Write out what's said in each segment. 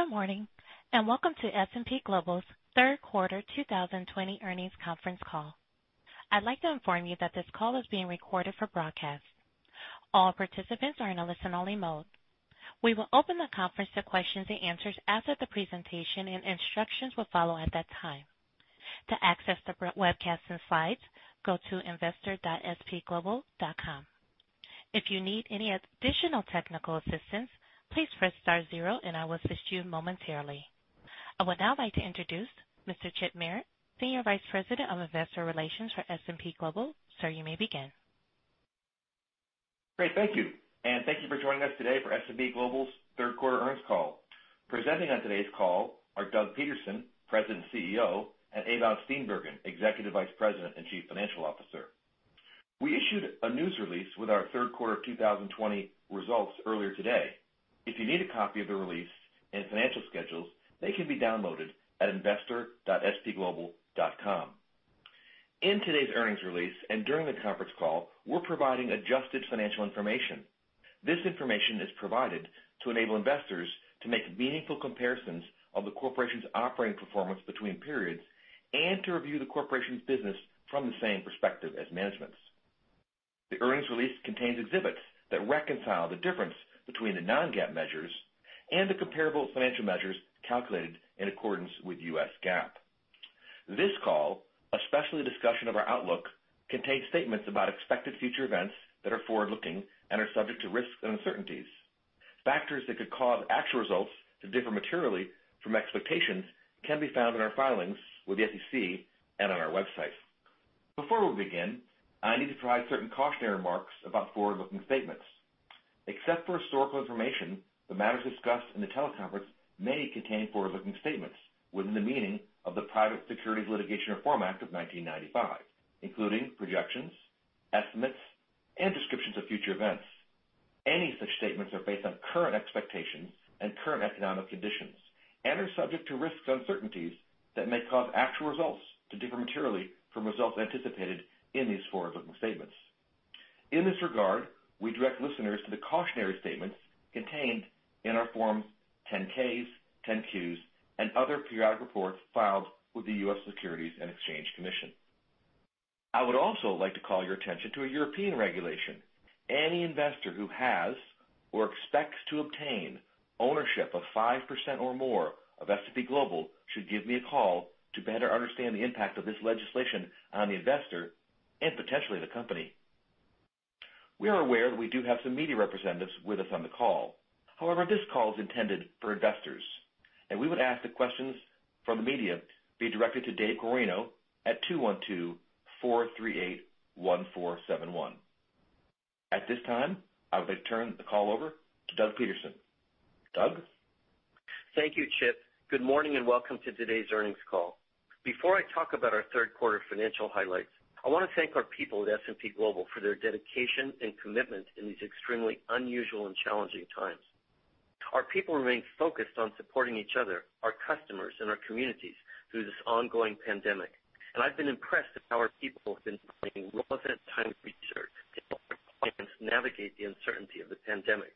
Good morning, and welcome to S&P Global's Third Quarter 2020 Earnings Conference Call. I'd like to inform you that this call is being recorded for broadcast. All participants are in a listen-only mode. We will open the conference to questions and answers after the presentation, and instructions will follow at that time. To access the webcast and slides, go to investor.spglobal.com. If you need any additional technical assistance, please press star zero and I will assist you momentarily. I would now like to introduce Mr. Chip Merritt, Senior Vice President of Investor Relations for S&P Global. Sir, you may begin. Great, thank you. Thank you for joining us today for S&P Global's Third Quarter Earnings Call. Presenting on today's call are Doug Peterson, President, CEO, and Ewout Steenbergen, Executive Vice President and Chief Financial Officer. We issued a news release with our third quarter of 2020 results earlier today. If you need a copy of the release and financial schedules, they can be downloaded at investor.spglobal.com. In today's earnings release and during the conference call, we're providing adjusted financial information. This information is provided to enable investors to make meaningful comparisons of the corporation's operating performance between periods and to review the corporation's business from the same perspective as management's. The earnings release contains exhibits that reconcile the difference between the non-GAAP measures and the comparable financial measures calculated in accordance with U.S. GAAP. This call, especially the discussion of our outlook, contains statements about expected future events that are forward-looking and are subject to risks and uncertainties. Factors that could cause actual results to differ materially from expectations can be found in our filings with the SEC and on our website. Before we begin, I need to provide certain cautionary remarks about forward-looking statements. Except for historical information, the matters discussed in the teleconference may contain forward-looking statements within the meaning of the Private Securities Litigation Reform Act of 1995, including projections, estimates, and descriptions of future events. Any such statements are based on current expectations and current economic conditions and are subject to risks and uncertainties that may cause actual results to differ materially from results anticipated in these forward-looking statements. In this regard, we direct listeners to the cautionary statements contained in our Forms 10-Ks, 10-Qs, and other periodic reports filed with the U.S. Securities and Exchange Commission. I would also like to call your attention to a European regulation. Any investor who has or expects to obtain ownership of 5% or more of S&P Global should give me a call to better understand the impact of this legislation on the investor and potentially the company. We are aware that we do have some media representatives with us on the call. However, this call is intended for investors, and we would ask that questions from the media be directed to Dave Guarino at 212-438-1471. At this time, I would like to turn the call over to Doug Peterson. Doug? Thank you, Chip. Good morning and welcome to today's earnings call. Before I talk about our third quarter financial highlights, I want to thank our people at S&P Global for their dedication and commitment in these extremely unusual and challenging times. Our people remain focused on supporting each other, our customers, and our communities through this ongoing pandemic, and I've been impressed at how our people have been deploying relevant time and research to help our clients navigate the uncertainty of the pandemic.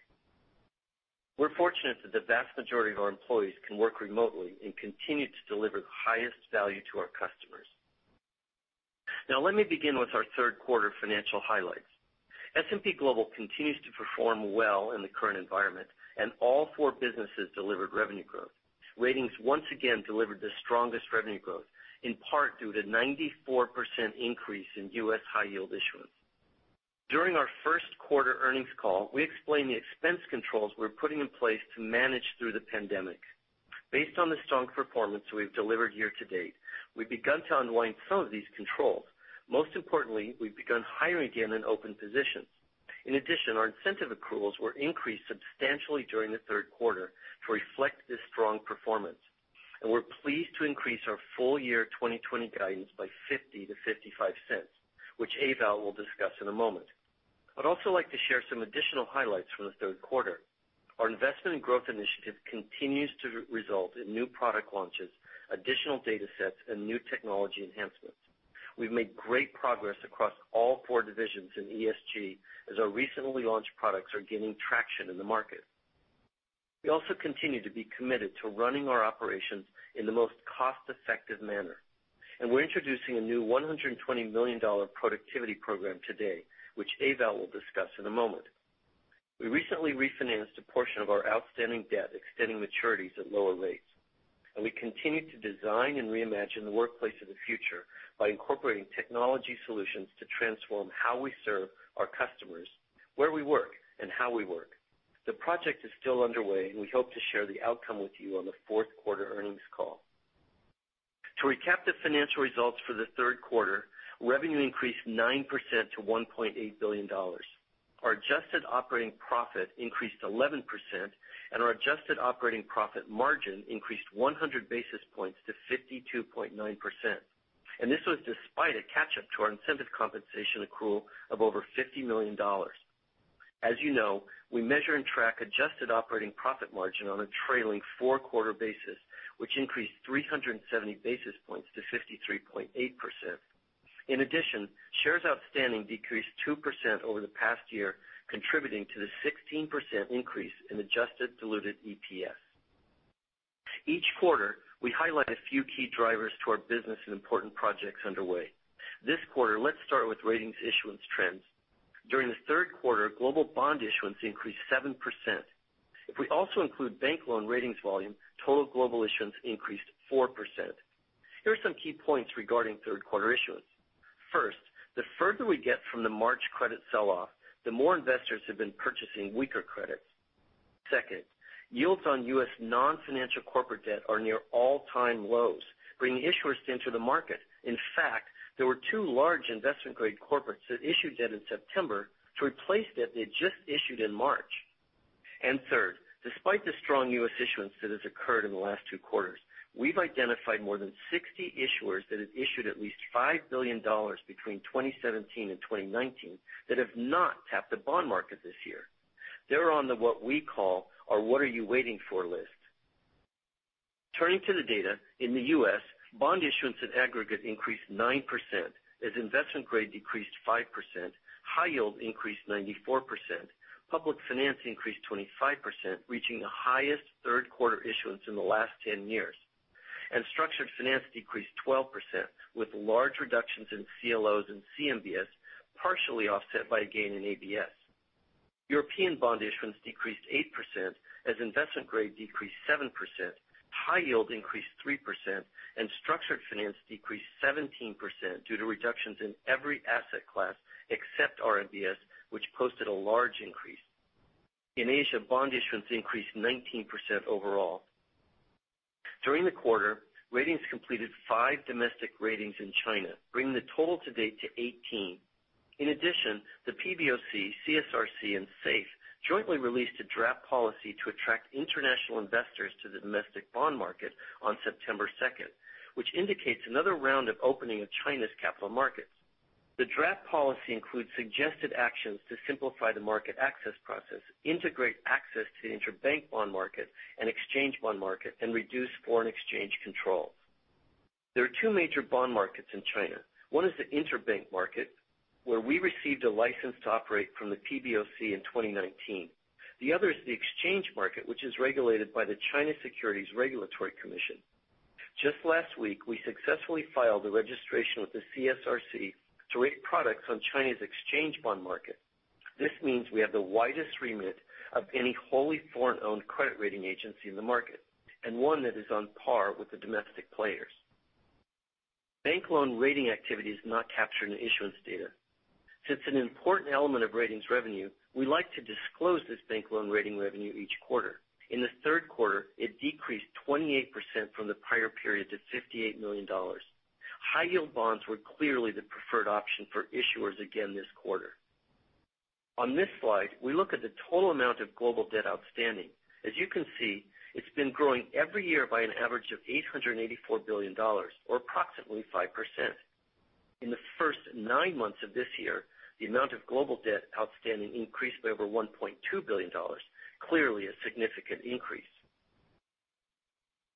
We're fortunate that the vast majority of our employees can work remotely and continue to deliver the highest value to our customers. Now, let me begin with our third quarter financial highlights. S&P Global continues to perform well in the current environment. All four businesses delivered revenue growth. Ratings once again delivered the strongest revenue growth, in part due to 94% increase in U.S. high yield issuance. During our first quarter earnings call, we explained the expense controls we're putting in place to manage through the pandemic. Based on the strong performance we've delivered year-to-date, we've begun to unwind some of these controls. Most importantly, we've begun hiring again in open positions. In addition, our incentive accruals were increased substantially during the third quarter to reflect this strong performance. We're pleased to increase our full year 2020 guidance by $0.50-$0.55, which Ewout will discuss in a moment. I'd also like to share some additional highlights from the third quarter. Our investment and growth initiative continues to result in new product launches, additional data sets, and new technology enhancements. We've made great progress across all four divisions in ESG, as our recently launched products are gaining traction in the market. We also continue to be committed to running our operations in the most cost-effective manner, and we're introducing a new $120 million productivity program today, which Ewout will discuss in a moment. We recently refinanced a portion of our outstanding debt, extending maturities at lower rates, and we continue to design and reimagine the workplace of the future by incorporating technology solutions to transform how we serve our customers, where we work, and how we work. The project is still underway, and we hope to share the outcome with you on the fourth quarter earnings call. To recap the financial results for the third quarter, revenue increased 9% to $1.8 billion. Our adjusted operating profit increased 11%, and our adjusted operating profit margin increased 100 basis points to 52.9%, and this was despite a catch-up to our incentive compensation accrual of over $50 million. As you know, we measure and track adjusted operating profit margin on a trailing four-quarter basis, which increased 370 basis points to 53.8%. In addition, shares outstanding decreased 2% over the past year, contributing to the 16% increase in adjusted diluted EPS. Each quarter, we highlight a few key drivers to our business and important projects underway. This quarter, let's start with ratings issuance trends. During the third quarter, global bond issuance increased 7%. If we also include bank loan ratings volume, total global issuance increased 4%. Here are some key points regarding third quarter issuance. First, the further we get from the March credit sell-off, the more investors have been purchasing weaker credits. Second, yields on U.S. non-financial corporate debt are near all-time lows, bringing issuers into the market. In fact, there were two large investment grade corporates that issued debt in September to replace debt they had just issued in March. Third, despite the strong U.S. issuance that has occurred in the last two quarters, we've identified more than 60 issuers that have issued at least $5 billion between 2017 and 2019 that have not tapped the bond market this year. They're on the what we call our What Are You Waiting For list. Turning to the data, in the U.S., bond issuance in aggregate increased 9% as investment grade decreased 5%, high yield increased 94%, public finance increased 25%, reaching the highest third quarter issuance in the last 10 years, and structured finance decreased 12%, with large reductions in CLOs and CMBS, partially offset by a gain in ABS. European bond issuance decreased 8% as investment grade decreased 7%, high yield increased 3%, and structured finance decreased 17% due to reductions in every asset class except RMBS, which posted a large increase. In Asia, bond issuance increased 19% overall. During the quarter, ratings completed five domestic ratings in China, bringing the total to date to 18. In addition, the PBOC, CSRC, and SAFE jointly released a draft policy to attract international investors to the domestic bond market on September 2nd, which indicates another round of opening of China's capital markets. The draft policy includes suggested actions to simplify the market access process, integrate access to interbank bond market and exchange bond market, and reduce foreign exchange control. There are two major bond markets in China. One is the interbank market, where we received a license to operate from the PBOC in 2019. The other is the exchange market, which is regulated by the China Securities Regulatory Commission. Just last week, we successfully filed a registration with the CSRC to rate products on China's exchange bond market. This means we have the widest remit of any wholly foreign-owned credit rating agency in the market, and one that is on par with the domestic players. Bank loan rating activity is not captured in the issuance data. It's an important element of ratings revenue, we like to disclose this bank loan rating revenue each quarter. In the third quarter, it decreased 28% from the prior period to $58 million. High yield bonds were clearly the preferred option for issuers again this quarter. This slide, we look at the total amount of global debt outstanding. You can see, it's been growing every year by an average of $884 billion, or approximately 5%. In the first nine months of this year, the amount of global debt outstanding increased by over $1.2 billion, clearly a significant increase.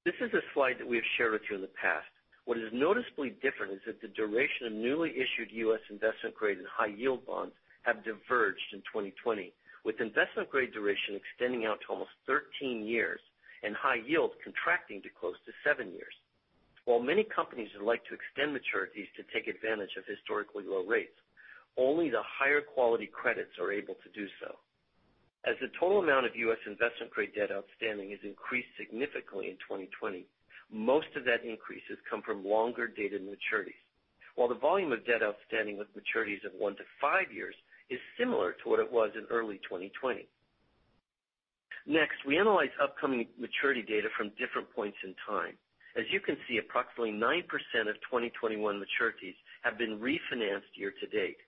This is a slide that we have shared with you in the past. What is noticeably different is that the duration of newly issued U.S. investment grade and high yield bonds have diverged in 2020, with investment grade duration extending out to almost 13 years and high yield contracting to close to seven years. While many companies would like to extend maturities to take advantage of historically low rates, only the higher quality credits are able to do so. As the total amount of U.S. investment grade debt outstanding has increased significantly in 2020, most of that increase has come from longer dated maturities. While the volume of debt outstanding with maturities of one to five years is similar to what it was in early 2020. Next, we analyze upcoming maturity data from different points in time. As you can see, approximately 9% of 2021 maturities have been refinanced year-to-date.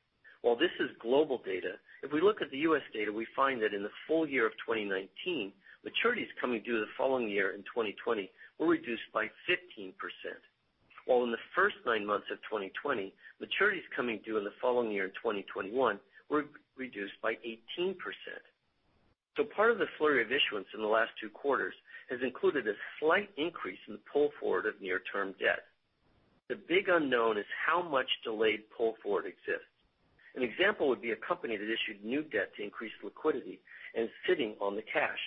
While this is global data, if we look at the U.S. data, we find that in the full year of 2019, maturities coming due the following year in 2020 were reduced by 15%, while in the first nine months of 2020, maturities coming due in the following year in 2021 were reduced by 18%. Part of the flurry of issuance in the last two quarters has included a slight increase in the pull forward of near-term debt. The big unknown is how much delayed pull forward exists. An example would be a company that issued new debt to increase liquidity and is sitting on the cash.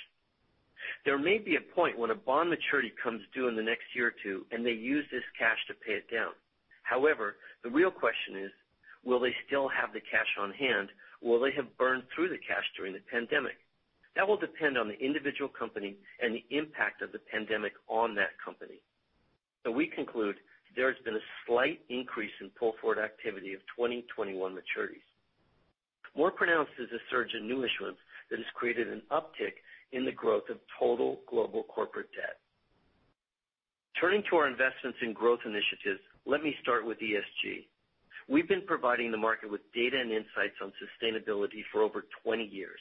There may be a point when a bond maturity comes due in the next year or two and they use this cash to pay it down. However, the real question is: Will they still have the cash on hand, or will they have burned through the cash during the pandemic? That will depend on the individual company and the impact of the pandemic on that company. We conclude there has been a slight increase in pull forward activity of 2021 maturities. More pronounced is a surge in new issuance that has created an uptick in the growth of total global corporate debt. Turning to our investments in growth initiatives, let me start with ESG. We've been providing the market with data and insights on sustainability for over 20 years.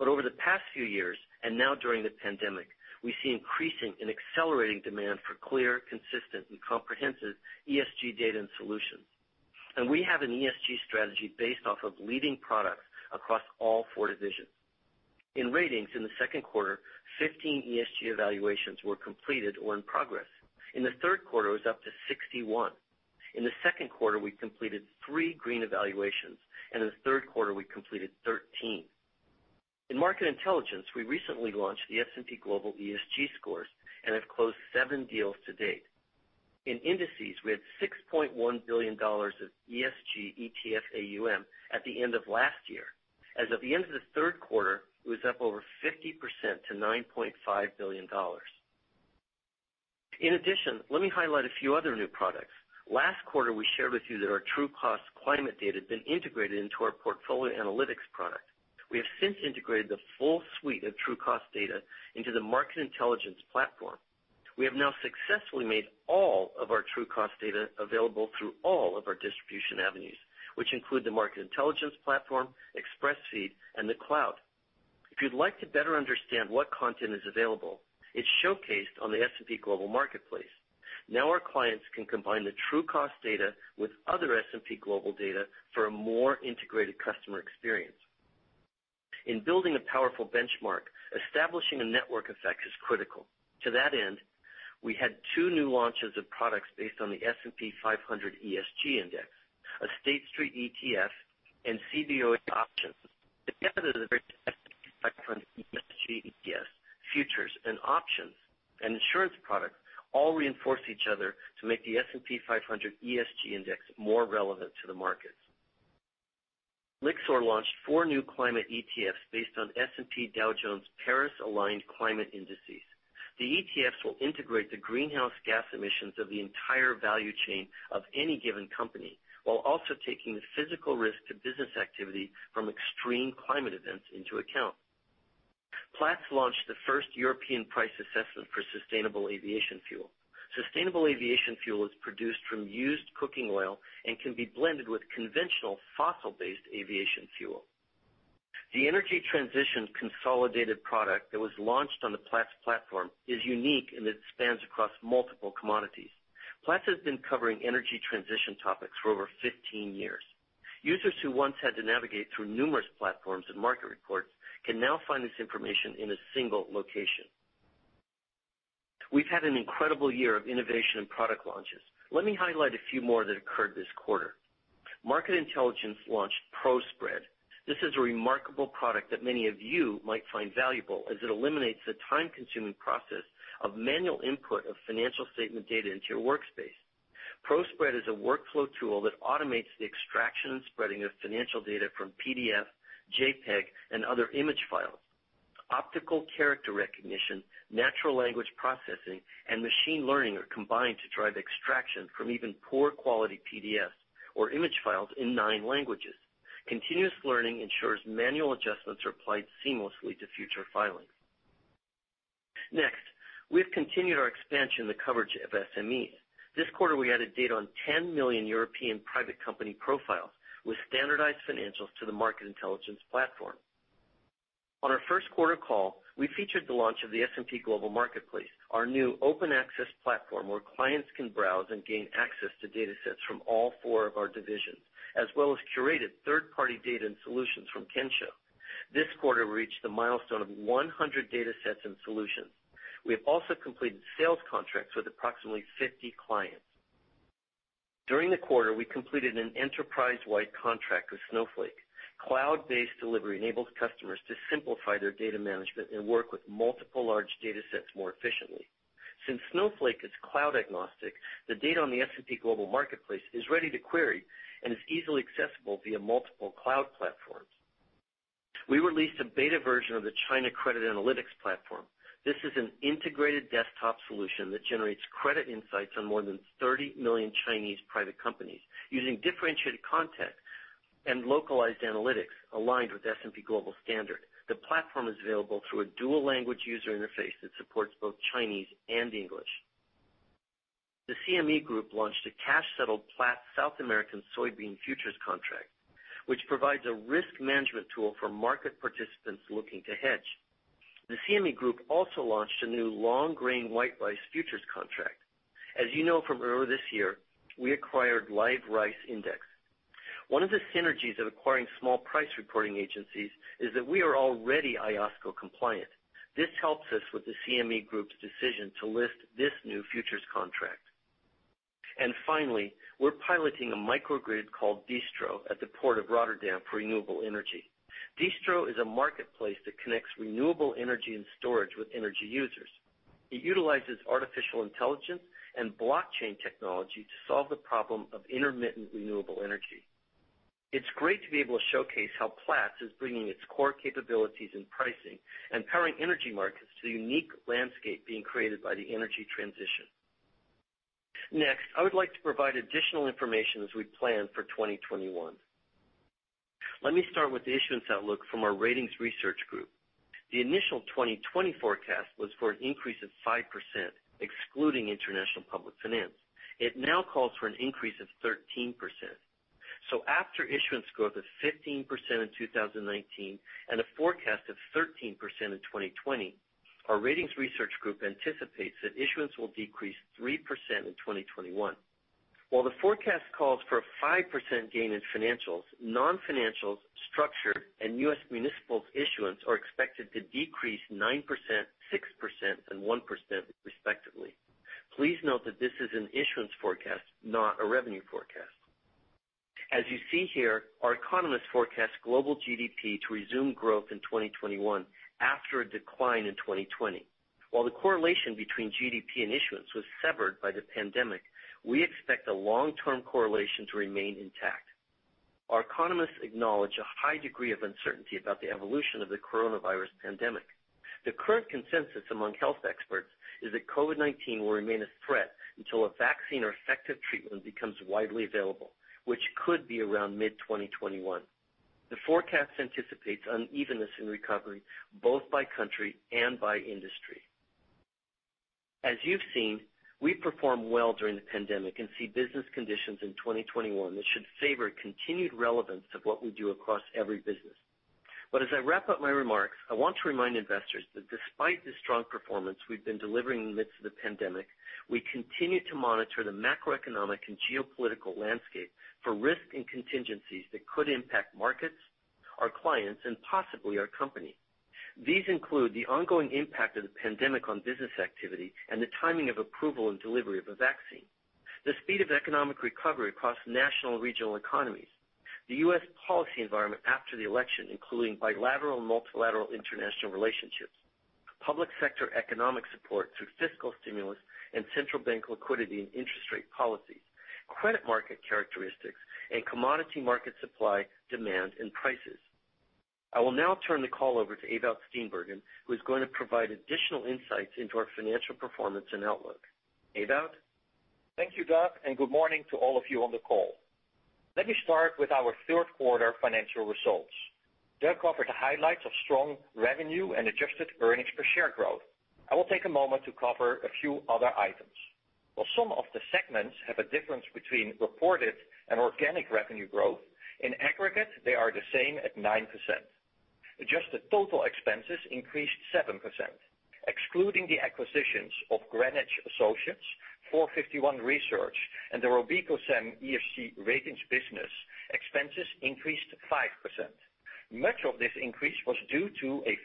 Over the past few years, and now during the pandemic, we see increasing and accelerating demand for clear, consistent, and comprehensive ESG data and solutions. We have an ESG strategy based off of leading products across all four divisions. In Ratings in the second quarter, 15 ESG evaluations were completed or in progress. In the third quarter, it was up to 61. In the second quarter, we completed three green evaluations, and in the third quarter, we completed 13. In Market Intelligence, we recently launched the S&P Global ESG Scores and have closed seven deals to date. In Indices, we had $6.1 billion of ESG ETF AUM at the end of last year. As of the end of the third quarter, it was up over 50% to $9.5 billion. In addition, let me highlight a few other new products. Last quarter, we shared with you that our Trucost climate data has been integrated into our portfolio analytics product. We have since integrated the full suite of Trucost data into the Market Intelligence Platform. We have now successfully made all of our Trucost data available through all of our distribution avenues, which include the Market Intelligence Platform, Xpressfeed, and the cloud. If you'd like to better understand what content is available, it's showcased on the S&P Global Marketplace. Our clients can combine the Trucost data with other S&P Global data for a more integrated customer experience. In building a powerful benchmark, establishing a network effect is critical. To that end, we had two new launches of products based on the S&P 500 ESG Index, a State Street ETF, and Cboe options. Together, the S&P 500 ESG ETFs, futures and options, and insurance products all reinforce each other to make the S&P 500 ESG Index more relevant to the markets. Lyxor launched four new climate ETFs based on S&P Dow Jones Paris-Aligned Climate Indices. The ETFs will integrate the greenhouse gas emissions of the entire value chain of any given company, while also taking the physical risk to business activity from extreme climate events into account. Platts launched the first European price assessment for sustainable aviation fuel. Sustainable aviation fuel is produced from used cooking oil and can be blended with conventional fossil-based aviation fuel. The Energy Transition consolidated product that was launched on the Platts platform is unique in that it spans across multiple commodities. Platts has been covering energy transition topics for over 15 years. Users who once had to navigate through numerous platforms and market reports can now find this information in a single location. We've had an incredible year of innovation and product launches. Let me highlight a few more that occurred this quarter. Market Intelligence launched ProSpread. This is a remarkable product that many of you might find valuable, as it eliminates the time-consuming process of manual input of financial statement data into your workspace. ProSpread is a workflow tool that automates the extraction and spreading of financial data from PDF, JPEG, and other image files. Optical character recognition, natural language processing, and machine learning are combined to drive extraction from even poor quality PDFs or image files in nine languages. Continuous learning ensures manual adjustments are applied seamlessly to future filings. Next, we've continued our expansion in the coverage of SMEs. This quarter, we added data on 10 million European private company profiles with standardized financials to the Market Intelligence Platform. On our first quarter call, we featured the launch of the S&P Global Marketplace, our new open access platform where clients can browse and gain access to datasets from all four of our divisions, as well as curated third-party data and solutions from Kensho. This quarter, we reached the milestone of 100 datasets and solutions. We have also completed sales contracts with approximately 50 clients. During the quarter, we completed an enterprise-wide contract with Snowflake. Cloud-based delivery enables customers to simplify their data management and work with multiple large datasets more efficiently. Since Snowflake is cloud agnostic, the data on the S&P Global Marketplace is ready to query and is easily accessible via multiple cloud platforms. We released a beta version of the China Credit Analytics Platform. This is an integrated desktop solution that generates credit insights on more than 30 million Chinese private companies using differentiated content and localized analytics aligned with S&P Global standard. The platform is available through a dual language user interface that supports both Chinese and English. The CME Group launched a cash-settled Platts South American Soybean futures contract, which provides a risk management tool for market participants looking to hedge. The CME Group also launched a new long-grain white rice futures contract. As you know from earlier this year, we acquired Live Rice Index. One of the synergies of acquiring small price reporting agencies is that we are already IOSCO compliant. This helps us with the CME Group's decision to list this new futures contract. Finally, we're piloting a microgrid called Distro at the Port of Rotterdam for renewable energy. Distro is a marketplace that connects renewable energy and storage with energy users. It utilizes artificial intelligence and blockchain technology to solve the problem of intermittent renewable energy. It's great to be able to showcase how Platts is bringing its core capabilities in pricing and powering energy markets to the unique landscape being created by the energy transition. I would like to provide additional information as we plan for 2021. Let me start with the issuance outlook from our ratings research group. The initial 2020 forecast was for an increase of 5%, excluding international public finance. It now calls for an increase of 13%. After issuance growth of 15% in 2019 and a forecast of 13% in 2020, our ratings research group anticipates that issuance will decrease 3% in 2021. While the forecast calls for a 5% gain in financials, non-financial, structured, and U.S. municipal issuance are expected to decrease 9%, 6%, and 1% respectively. Please note that this is an issuance forecast, not a revenue forecast. As you see here, our economists forecast global GDP to resume growth in 2021 after a decline in 2020. While the correlation between GDP and issuance was severed by the pandemic, we expect the long-term correlation to remain intact. Our economists acknowledge a high degree of uncertainty about the evolution of the coronavirus pandemic. The current consensus among health experts is that COVID-19 will remain a threat until a vaccine or effective treatment becomes widely available, which could be around mid-2021. The forecast anticipates unevenness in recovery both by country and by industry. As you've seen, we've performed well during the pandemic and see business conditions in 2021 that should favor continued relevance of what we do across every business. As I wrap up my remarks, I want to remind investors that despite the strong performance we've been delivering in the midst of the pandemic, we continue to monitor the macroeconomic and geopolitical landscape for risk and contingencies that could impact markets, our clients, and possibly our company. These include the ongoing impact of the pandemic on business activity and the timing of approval and delivery of a vaccine, the speed of economic recovery across national and regional economies, the U.S. policy environment after the election, including bilateral and multilateral international relationships, public sector economic support through fiscal stimulus and central bank liquidity and interest rate policy, credit market characteristics, and commodity market supply, demand, and prices. I will now turn the call over to Ewout Steenbergen, who is going to provide additional insights into our financial performance and outlook. Ewout? Thank you, Doug, and good morning to all of you on the call. Let me start with our third quarter financial results. Doug covered the highlights of strong revenue and adjusted earnings per share growth. I will take a moment to cover a few other items. While some of the segments have a difference between reported and organic revenue growth, in aggregate, they are the same at 9%. Adjusted total expenses increased 7%, excluding the acquisitions of Greenwich Associates, 451 Research, and the RobecoSAM ESG ratings business, expenses increased 5%. Much of this increase was due to a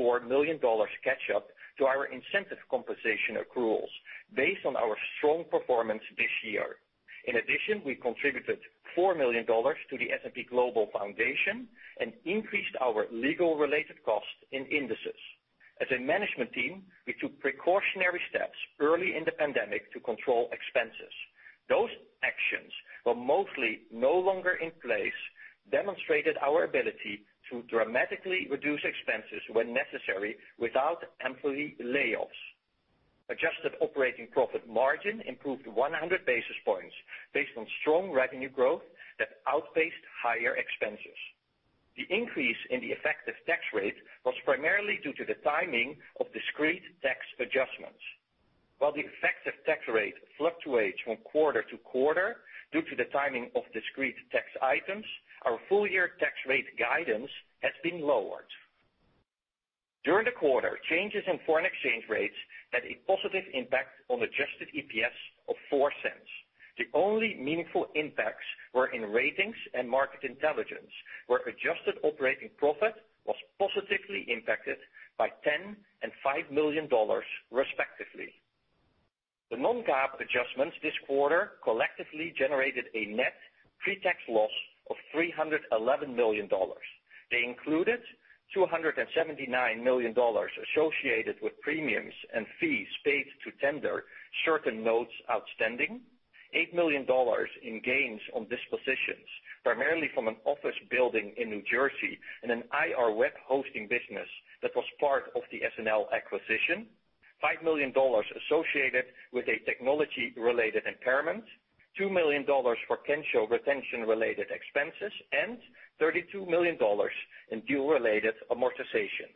$54 million catch-up to our incentive compensation accruals based on our strong performance this year. In addition, we contributed $4 million to the S&P Global Foundation and increased our legal-related costs in Indices. As a management team, we took precautionary steps early in the pandemic to control expenses. Those actions were mostly no longer in place, demonstrated our ability to dramatically reduce expenses when necessary without employee layoffs. Adjusted operating profit margin improved 100 basis points based on strong revenue growth that outpaced higher expenses. The increase in the effective tax rate was primarily due to the timing of discrete tax adjustments. While the effective tax rate fluctuates from quarter to quarter due to the timing of discrete tax items, our full-year tax rate guidance has been lowered. During the quarter, changes in foreign exchange rates had a positive impact on adjusted EPS of $0.04. The only meaningful impacts were in Ratings and Market Intelligence, where adjusted operating profit was positively impacted by $10 million and $5 million respectively. The non-GAAP adjustments this quarter collectively generated a net pretax loss of $311 million. They included $279 million associated with premiums and fees paid to tender certain notes outstanding, $8 million in gains on dispositions, primarily from an office building in New Jersey and an IR web hosting business that was part of the SNL acquisition, $5 million associated with a technology-related impairment, $2 million for Kensho retention-related expenses, and $32 million in deal-related amortization.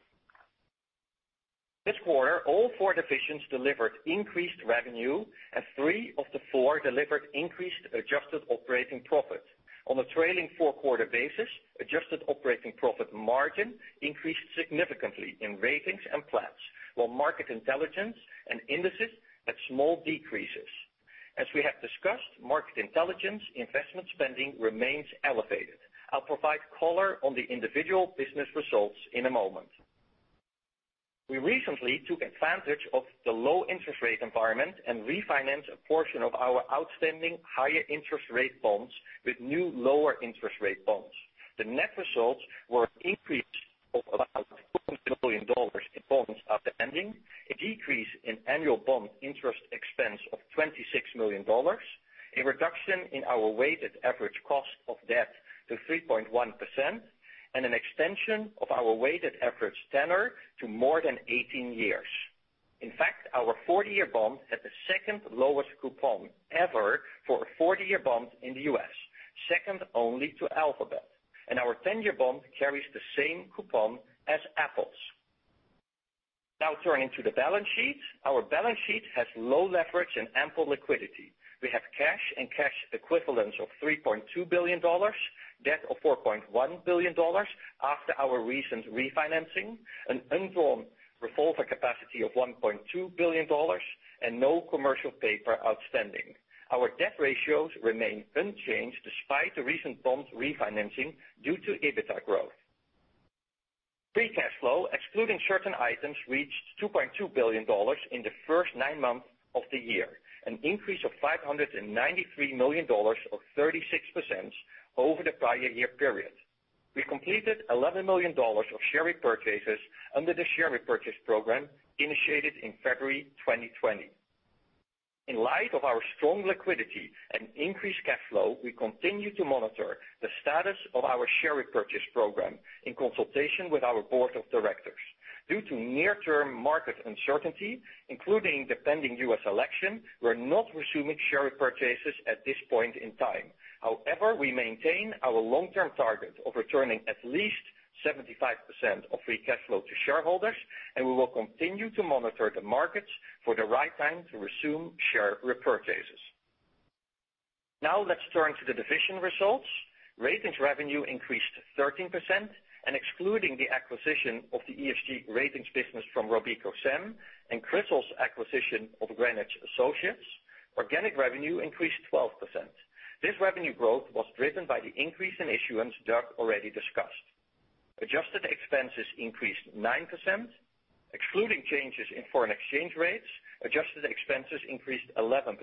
This quarter, all four divisions delivered increased revenue, and three of the four delivered increased adjusted operating profit. On a trailing four-quarter basis, adjusted operating profit margin increased significantly in Ratings and Platts while Market Intelligence and Indices had small decreases. As we have discussed, Market Intelligence investment spending remains elevated. I'll provide color on the individual business results in a moment. We recently took advantage of the low interest rate environment and refinanced a portion of our outstanding higher interest rate bonds with new lower interest rate bonds. The net results were an increase of about $1.2 billion in bonds outstanding, a decrease in annual bond interest expense of $26 million, a reduction in our weighted average cost of debt to 3.1%, and an extension of our weighted average tenor to more than 18 years. In fact, our 40-year bond had the second lowest coupon ever for a 40-year bond in the U.S., second only to Alphabet. Our 10-year bond carries the same coupon as Apple's. Now turning to the balance sheet. Our balance sheet has low leverage and ample liquidity. We have cash and cash equivalents of $3.2 billion, debt of $4.1 billion after our recent refinancing, an undrawn revolver capacity of $1.2 billion, and no commercial paper outstanding. Our debt ratios remain unchanged despite the recent bond refinancing due to EBITDA growth. Free cash flow, excluding certain items, reached $2.2 billion in the first nine months of the year, an increase of $593 million or 36% over the prior year period. We completed $11 million of share repurchases under the share repurchase program initiated in February 2020. In light of our strong liquidity and increased cash flow, we continue to monitor the status of our share repurchase program in consultation with our Board of Directors. Due to near-term market uncertainty, including the pending U.S. election, we're not resuming share repurchases at this point in time. However, we maintain our long-term target of returning at least 75% of free cash flow to shareholders, and we will continue to monitor the markets for the right time to resume share repurchases. Now let's turn to the division results. Excluding the acquisition of the ESG ratings business from RobecoSAM and CRISIL's acquisition of Greenwich Associates, Ratings revenue increased 13%, organic revenue increased 12%. Adjusted expenses increased 9%. Excluding changes in foreign exchange rates, adjusted expenses increased 11%,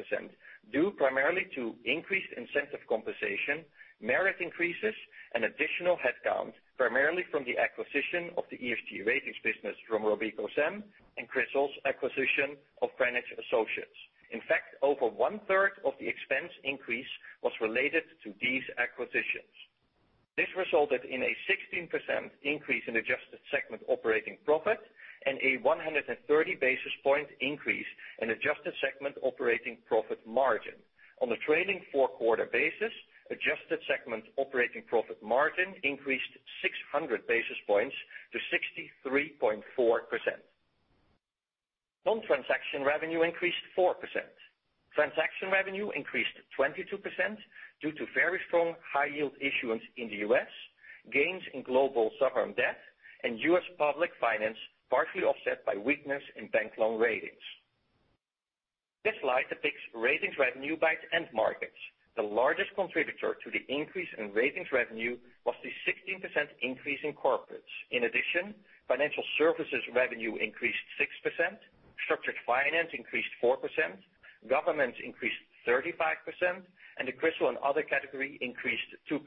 due primarily to increased incentive compensation, merit increases, and additional headcount, primarily from the acquisition of the ESG ratings business from RobecoSAM and CRISIL's acquisition of Greenwich Associates. In fact, over one-third of the expense increase was related to these acquisitions. This resulted in a 16% increase in adjusted segment operating profit and a 130 basis point increase in adjusted segment operating profit margin. On the trailing four-quarter basis, adjusted segment operating profit margin increased 600 basis points to 63.4%. Non-transaction revenue increased 4%. Transaction revenue increased 22% due to very strong high-yield issuance in the U.S., gains in global sovereign debt, and U.S. public finance, partly offset by weakness in bank loan ratings. This slide depicts ratings revenue by end markets. The largest contributor to the increase in ratings revenue was the 16% increase in corporates. Financial services revenue increased 6%, structured finance increased 4%, government increased 35%, and the CRISIL and other category increased 2%.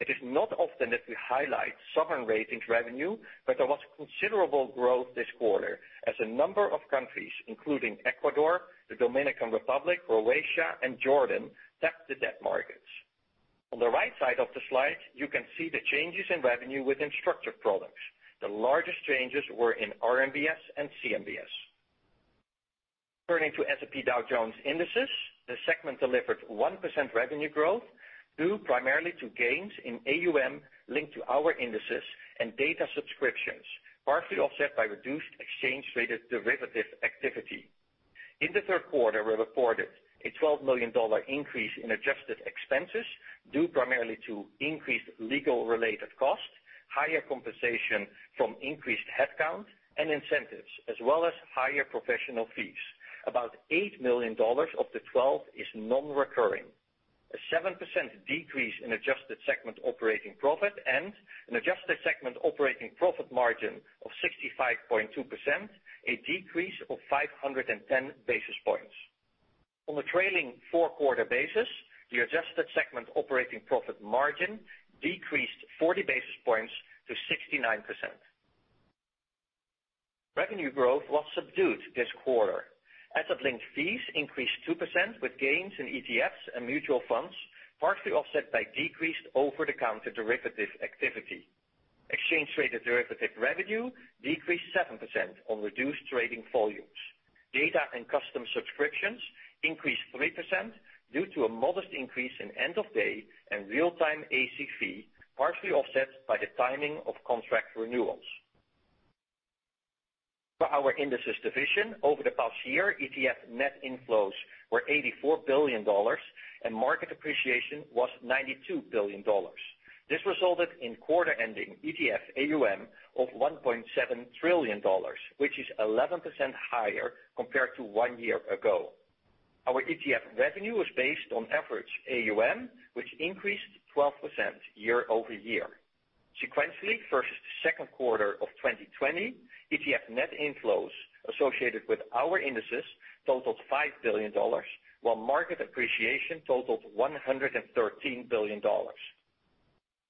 It is not often that we highlight sovereign ratings revenue, but there was considerable growth this quarter as a number of countries, including Ecuador, the Dominican Republic, Croatia, and Jordan, tapped the debt markets. On the right side of the slide, you can see the changes in revenue within structured products. The largest changes were in RMBS and CMBS. Turning to S&P Dow Jones Indices, the segment delivered 1% revenue growth due primarily to gains in AUM linked to our indices and data subscriptions, partially offset by reduced exchange traded derivative activity. In the third quarter, we reported a $12 million increase in adjusted expenses due primarily to increased legal-related costs, higher compensation from increased headcount and incentives, as well as higher professional fees. About $8 million of the 12 is non-recurring. A 7% decrease in adjusted segment operating profit and an adjusted segment operating profit margin of 65.2%, a decrease of 510 basis points. On a trailing four-quarter basis, the adjusted segment operating profit margin decreased 40 basis points to 69%. Revenue growth was subdued this quarter. Asset-linked fees increased 2% with gains in ETFs and mutual funds, partially offset by decreased over-the-counter derivative activity. Exchange traded derivative revenue decreased 7% on reduced trading volumes. Data and custom subscriptions increased 3% due to a modest increase in end-of-day and real-time ACV, partially offset by the timing of contract renewals. For our indices division, over the past year, ETF net inflows were $84 billion and market appreciation was $92 billion. This resulted in quarter-ending ETF AUM of $1.7 trillion, which is 11% higher compared to one year ago. Our ETF revenue was based on average AUM, which increased 12% year-over-year. Sequentially, versus the second quarter of 2020, ETF net inflows associated with our indices totaled $5 billion, while market appreciation totaled $113 billion.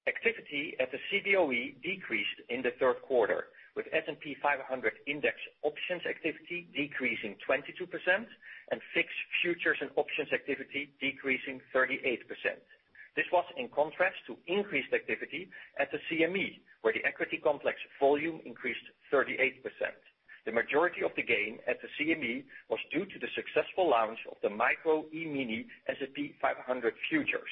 Activity at the Cboe decreased in the third quarter, with S&P 500 index options activity decreasing 22% and fixed futures and options activity decreasing 38%. This was in contrast to increased activity at the CME, where the equity complex volume increased 38%. The majority of the gain at the CME was due to the successful launch of the Micro E-Mini S&P 500 futures.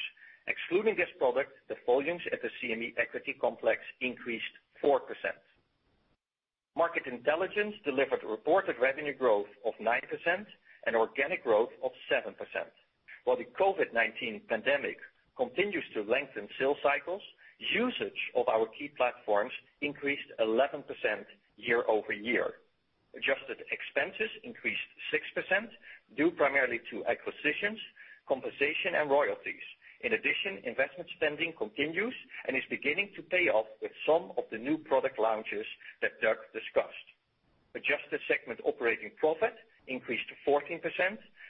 Excluding this product, the volumes at the CME equity complex increased 4%. Market Intelligence delivered reported revenue growth of 9% and organic growth of 7%. While the COVID-19 pandemic continues to lengthen sales cycles, usage of our key platforms increased 11% year-over-year. Adjusted expenses increased 6%, due primarily to acquisitions, compensation, and royalties. In addition, investment spending continues and is beginning to pay off with some of the new product launches that Doug discussed. Adjusted segment operating profit increased 14%,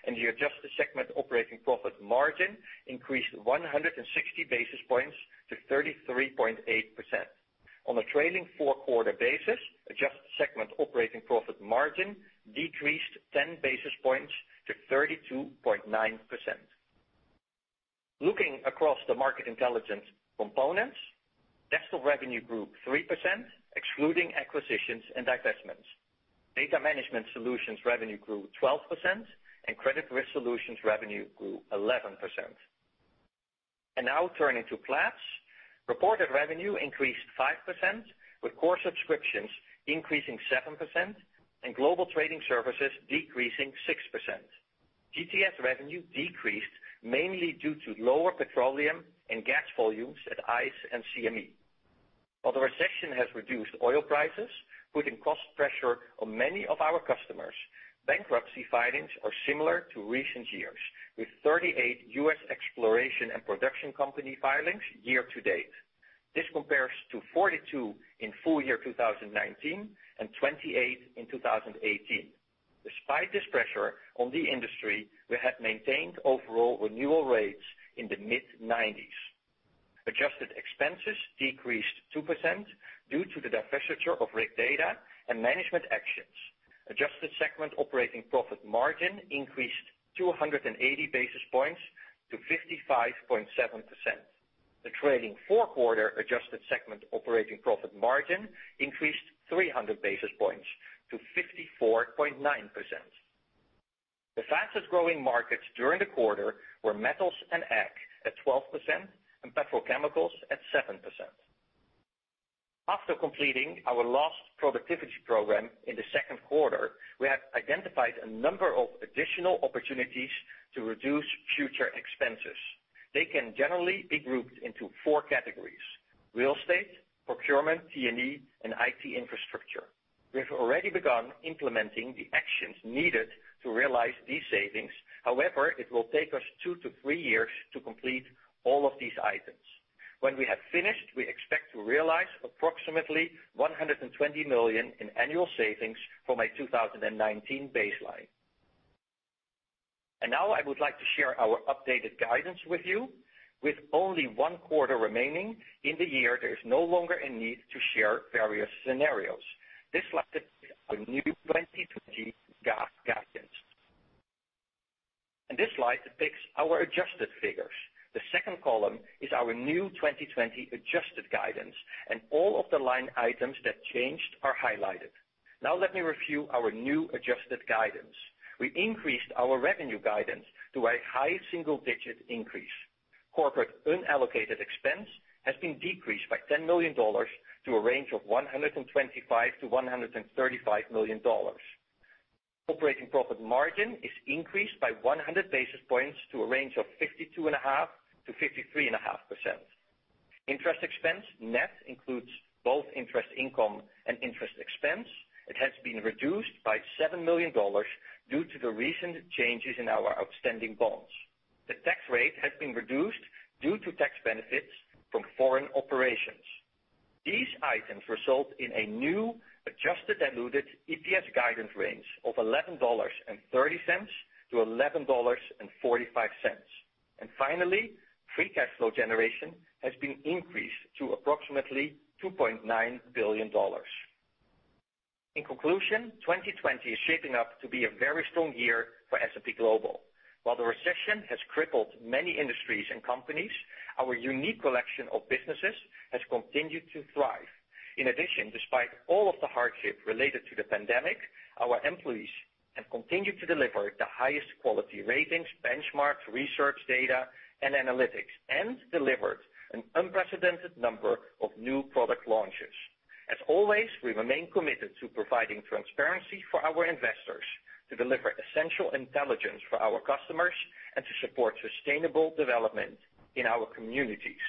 and the adjusted segment operating profit margin increased 160 basis points to 33.8%. On a trailing four-quarter basis, adjusted segment operating profit margin decreased 10 basis points to 32.9%. Looking across the Market Intelligence components, desktop revenue grew 3%, excluding acquisitions and divestments. Data management solutions revenue grew 12%, and credit risk solutions revenue grew 11%. Now turning to platforms, reported revenue increased 5%, with core subscriptions increasing 7% and global trading services decreasing 6%. GTS revenue decreased mainly due to lower petroleum and gas volumes at ICE and CME. While the recession has reduced oil prices, putting cost pressure on many of our customers, bankruptcy filings are similar to recent years, with 38 U.S. exploration and production company filings year-to-date. This compares to 42 in full year 2019 and 28 in 2018. Despite this pressure on the industry, we have maintained overall renewal rates in the mid-90s. Adjusted expenses decreased 2% due to the divestiture of RigData and management actions. Adjusted segment operating profit margin increased 280 basis points to 55.7%. The trailing four-quarter adjusted segment operating profit margin increased 300 basis points to 54.9%. The fastest-growing markets during the quarter were metals and ag at 12% and petrochemicals at 7%. After completing our last productivity program in the second quarter, we have identified a number of additional opportunities to reduce future expenses. They can generally be grouped into four categories: real estate, procurement, T&E, and IT infrastructure. We have already begun implementing the actions needed to realize these savings. However, it will take us two to three years to complete all of these items. When we have finished, we expect to realize approximately $120 million in annual savings from a 2019 baseline. Now I would like to share our updated guidance with you. With only one quarter remaining in the year, there is no longer a need to share various scenarios. This slide depicts our new 2020 GAAP guidance. This slide depicts our adjusted figures. The second column is our new 2020 adjusted guidance, and all of the line items that changed are highlighted. Let me review our new adjusted guidance. We increased our revenue guidance to a high single-digit increase. Corporate unallocated expense has been decreased by $10 million to a range of $125 million-$135 million. Operating profit margin is increased by 100 basis points to a range of 52.5%-53.5%. Interest expense net includes both interest income and interest expense. It has been reduced by $7 million due to the recent changes in our outstanding bonds. The tax rate has been reduced due to tax benefits from foreign operations. These items result in a new adjusted diluted EPS guidance range of $11.30-$11.45. Finally, free cash flow generation has been increased to approximately $2.9 billion. In conclusion, 2020 is shaping up to be a very strong year for S&P Global. While the recession has crippled many industries and companies, our unique collection of businesses has continued to thrive. In addition, despite all of the hardship related to the pandemic, our employees have continued to deliver the highest quality ratings, benchmarks, research data, and analytics, and delivered an unprecedented number of new product launches. As always, we remain committed to providing transparency for our investors, to deliver essential intelligence for our customers, and to support sustainable development in our communities.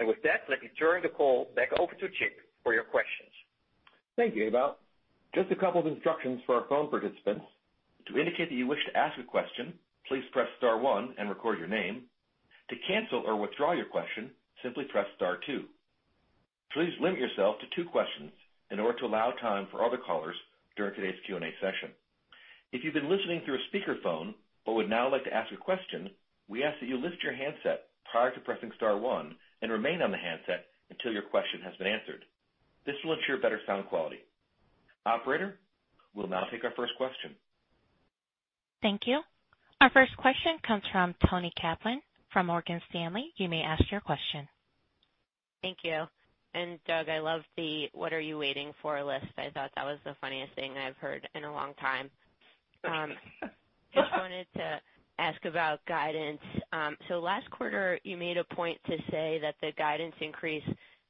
With that, let me turn the call back over to Chip for your questions. Thank you, Ewout. Just a couple of instructions for our phone participants. To indicate that you wish to ask a question, please press star one and record your name. To cancel or withdraw your question, simply press star two. Please limit yourself to two questions in order to allow time for other callers during today's Q&A session. If you've been listening through a speakerphone but would now like to ask a question, we ask that you lift your handset prior to pressing star one and remain on the handset until your question has been answered. This will ensure better sound quality. Operator, we'll now take our first question. Thank you. Our first question comes from Toni Kaplan from Morgan Stanley. You may ask your question. Thank you. Doug, I love the what are you waiting for list. I thought that was the funniest thing I've heard in a long time. Just wanted to ask about guidance. Last quarter, you made a point to say that the guidance increase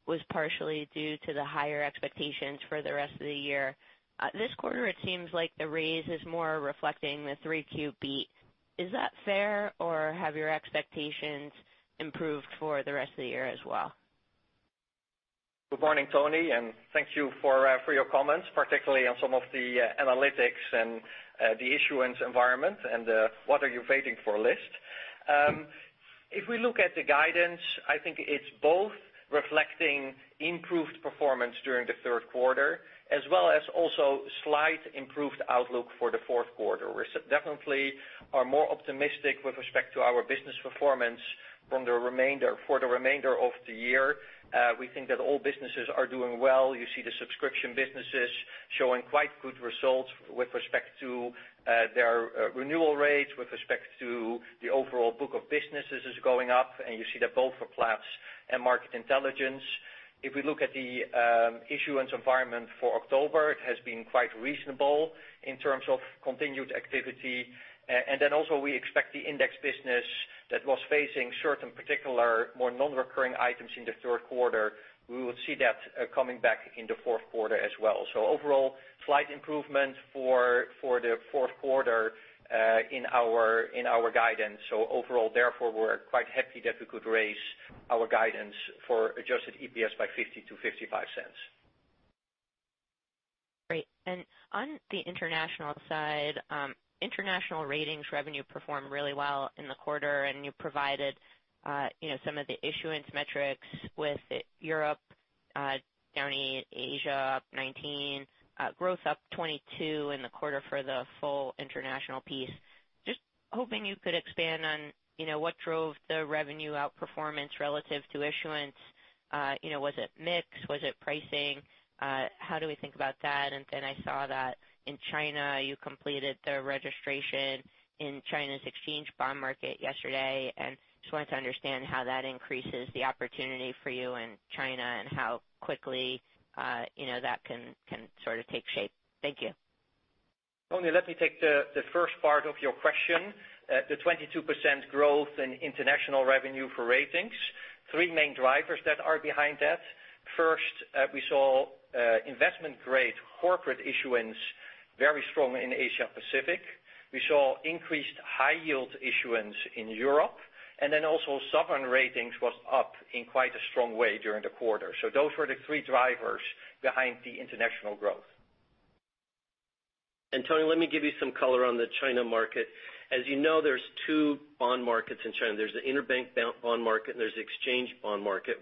was partially due to the higher expectations for the rest of the year. This quarter, it seems like the raise is more reflecting the 3Q beat. Is that fair, or have your expectations improved for the rest of the year as well? Good morning, Toni, thank you for your comments, particularly on some of the analytics and the issuance environment and the what are you waiting for list. If we look at the guidance, I think it's both reflecting improved performance during the third quarter as well as also slight improved outlook for the fourth quarter. We definitely are more optimistic with respect to our business performance for the remainder of the year. We think that all businesses are doing well. You see the subscription businesses showing quite good results with respect to their renewal rates, with respect to the overall book of businesses is going up. You see that both for Platts and Market Intelligence. If we look at the issuance environment for October, it has been quite reasonable in terms of continued activity. Also we expect the index business that was facing certain particular more non-recurring items in the third quarter, we will see that coming back in the fourth quarter as well. Overall, slight improvement for the fourth quarter in our guidance. Overall, therefore, we're quite happy that we could raise our guidance for adjusted EPS by $0.50-$0.55. Great. On the international side, international ratings revenue performed really well in the quarter. You provided some of the issuance metrics with Europe down 80%, Asia up 19%, growth up 22% in the quarter for the full international piece. Just hoping you could expand on what drove the revenue outperformance relative to issuance. Was it mix? Was it pricing? How do we think about that? Then I saw that in China, you completed the registration in China's exchange bond market yesterday, and just wanted to understand how that increases the opportunity for you in China and how quickly that can sort of take shape. Thank you. Toni, let me take the first part of your question. The 22% growth in international revenue for ratings, three main drivers that are behind that. First, we saw investment-grade corporate issuance very strong in Asia Pacific. We saw increased high yield issuance in Europe, and then also sovereign ratings was up in quite a strong way during the quarter. Those were the three drivers behind the international growth. Toni, let me give you some color on the China market. As you know, there's two bond markets in China. There's the interbank bond market, and there's the exchange bond market.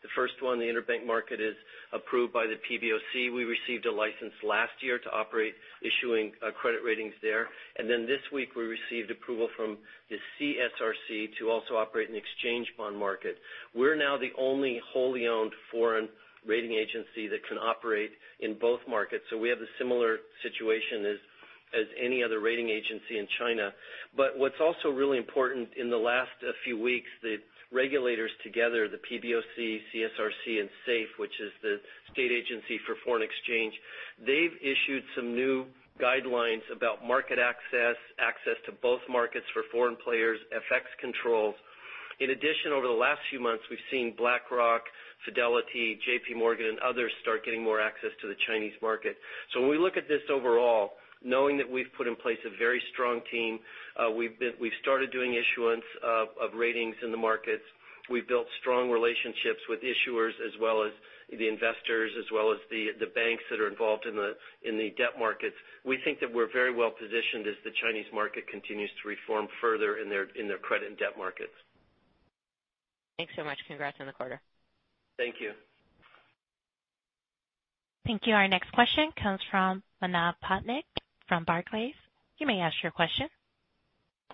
The first one, the interbank market, is approved by the PBOC. We received a license last year to operate issuing credit ratings there. This week we received approval from the CSRC to also operate in the exchange bond market. We're now the only wholly owned foreign rating agency that can operate in both markets, so we have a similar situation as any other rating agency in China. What's also really important, in the last few weeks, the regulators together, the PBOC, CSRC, and SAFE, which is the State Administration of Foreign Exchange, they've issued some new guidelines about market access to both markets for foreign players, FX controls. In addition, over the last few months, we've seen BlackRock, Fidelity, JPMorgan and others start getting more access to the Chinese market. When we look at this overall, knowing that we've put in place a very strong team, we've started doing issuance of ratings in the markets. We've built strong relationships with issuers as well as the investors, as well as the banks that are involved in the debt markets. We think that we're very well-positioned as the Chinese market continues to reform further in their credit and debt markets. Thanks so much. Congrats on the quarter. Thank you. Thank you. Our next question comes from Manav Patnaik from Barclays. You may ask your question.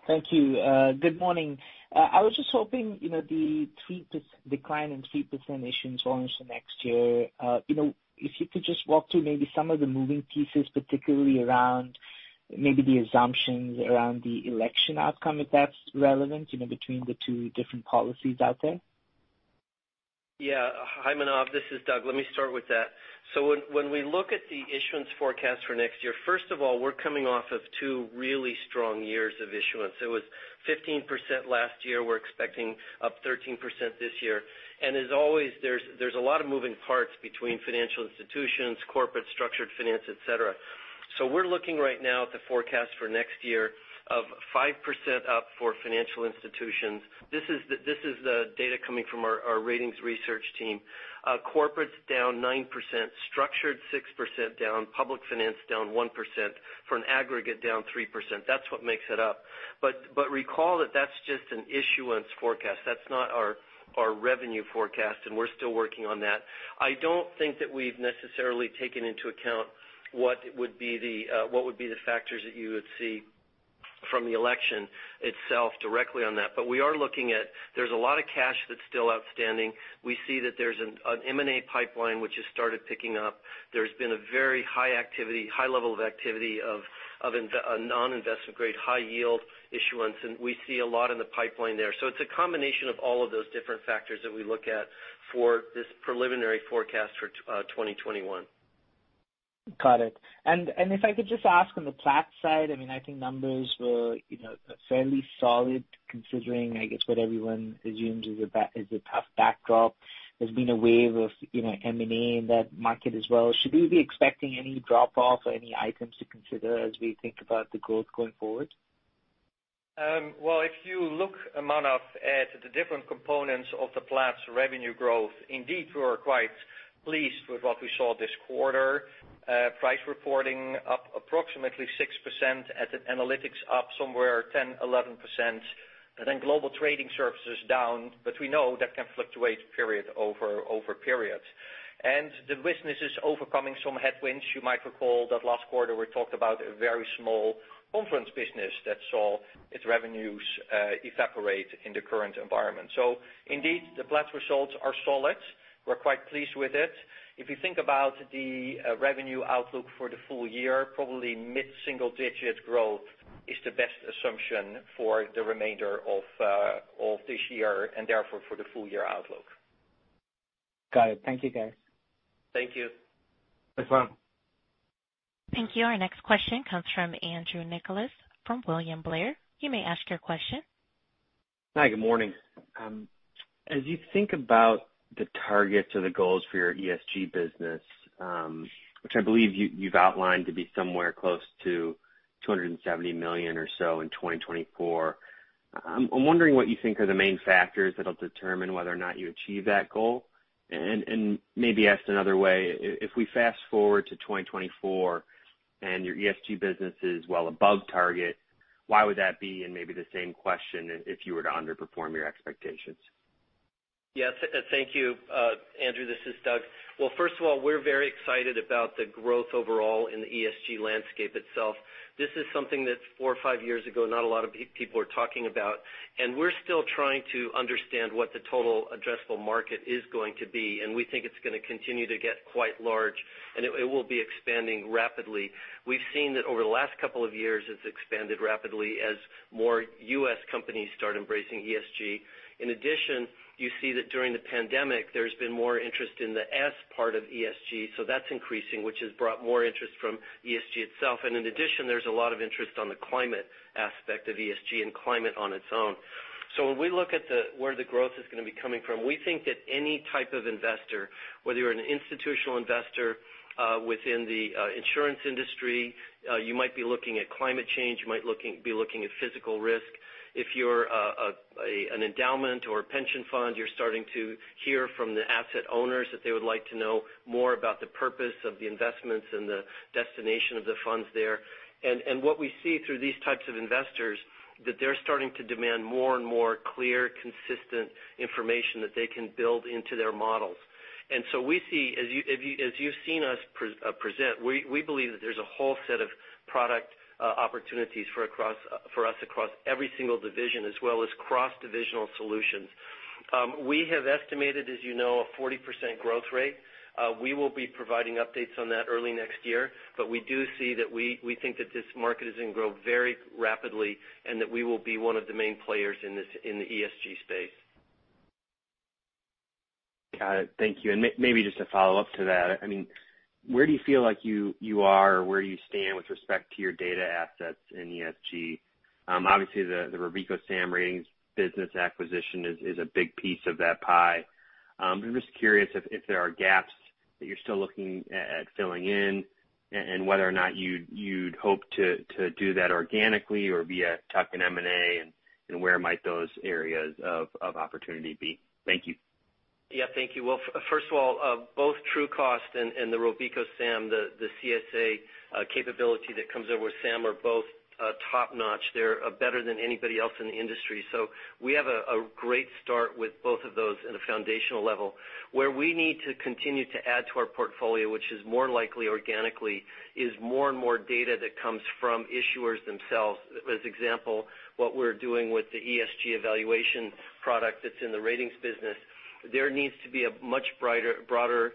Thank you. Good morning. I was just hoping, the decline in 3% issuance volumes for next year. If you could just walk through maybe some of the moving pieces, particularly around maybe the assumptions around the election outcome, if that's relevant, between the two different policies out there. Hi, Manav, this is Doug. Let me start with that. When we look at the issuance forecast for next year, first of all, we're coming off of two really strong years of issuance. It was 15% last year. We're expecting up 13% this year. As always, there's a lot of moving parts between financial institutions, corporate structured finance, et cetera. We're looking right now at the forecast for next year of 5% up for financial institutions. This is the data coming from our ratings research team. Corporate's down 9%, structured 6% down, public finance down 1%, for an aggregate down 3%. That's what makes it up. Recall that that's just an issuance forecast. That's not our revenue forecast, and we're still working on that. I don't think that we've necessarily taken into account what would be the factors that you would see from the election itself directly on that. We are looking at there's a lot of cash that's still outstanding. We see that there's an M&A pipeline which has started picking up. There's been a very high level of activity of non-investment-grade, high-yield issuance, and we see a lot in the pipeline there. It's a combination of all of those different factors that we look at for this preliminary forecast for 2021. Got it. If I could just ask on the Platts side, I think numbers were fairly solid considering, I guess, what everyone assumes is a tough backdrop. There's been a wave of M&A in that market as well. Should we be expecting any drop-off or any items to consider as we think about the growth going forward? Well, if you look, Manav, at the different components of the Platts revenue growth, indeed, we were quite pleased with what we saw this quarter. Price reporting up approximately 6% at analytics up somewhere 10%, 11%, and then global trading services down, but we know that can fluctuate period over periods. The business is overcoming some headwinds. You might recall that last quarter we talked about a very small conference business that saw its revenues evaporate in the current environment. Indeed, the Platts results are solid. We're quite pleased with it. If you think about the revenue outlook for the full year, probably mid-single-digit growth is the best assumption for the remainder of this year and therefore for the full year outlook. Got it. Thank you, guys. Thank you. Thanks a lot. Thank you. Our next question comes from Andrew Nicholas from William Blair. You may ask your question. Hi, good morning. As you think about the targets or the goals for your ESG business, which I believe you've outlined to be somewhere close to $270 million or so in 2024, I'm wondering what you think are the main factors that'll determine whether or not you achieve that goal. Maybe asked another way, if we fast-forward to 2024 and your ESG business is well above target, why would that be? Maybe the same question if you were to underperform your expectations. Yes. Thank you, Andrew. This is Doug. Well, first of all, we're very excited about the growth overall in the ESG landscape itself. This is something that four or five years ago, not a lot of people were talking about. We're still trying to understand what the total addressable market is going to be. We think it's going to continue to get quite large. It will be expanding rapidly. We've seen that over the last couple of years, it's expanded rapidly as more U.S. companies start embracing ESG. In addition, you see that during the pandemic, there's been more interest in the S part of ESG. That's increasing, which has brought more interest from ESG itself. In addition, there's a lot of interest on the climate aspect of ESG and climate on its own. When we look at where the growth is going to be coming from, we think that any type of investor, whether you're an institutional investor within the insurance industry, you might be looking at climate change, you might be looking at physical risk. If you're an endowment or a pension fund, you're starting to hear from the asset owners that they would like to know more about the purpose of the investments and the destination of the funds there. What we see through these types of investors, that they're starting to demand more and more clear, consistent information that they can build into their models. We see, as you've seen us present, we believe that there's a whole set of product opportunities for us across every single division as well as cross-divisional solutions. We have estimated, as you know, a 40% growth rate. We will be providing updates on that early next year, but we do see that we think that this market is going to grow very rapidly and that we will be one of the main players in the ESG space. Got it. Thank you. Maybe just a follow-up to that. Where do you feel like you are or where you stand with respect to your data assets in ESG? Obviously, the RobecoSAM Ratings business acquisition is a big piece of that pie. I'm just curious if there are gaps that you're still looking at filling in and whether or not you'd hope to do that organically or via tuck-in M&A, and where might those areas of opportunity be? Thank you. Yeah, thank you. Well, first of all, both Trucost and the RobecoSAM, the CSA capability that comes over with SAM are both top-notch. They are better than anybody else in the industry. We have a great start with both of those at a foundational level. Where we need to continue to add to our portfolio, which is more likely organically, is more and more data that comes from issuers themselves. As example, what we are doing with the ESG evaluation product that is in the ratings business. There needs to be a much broader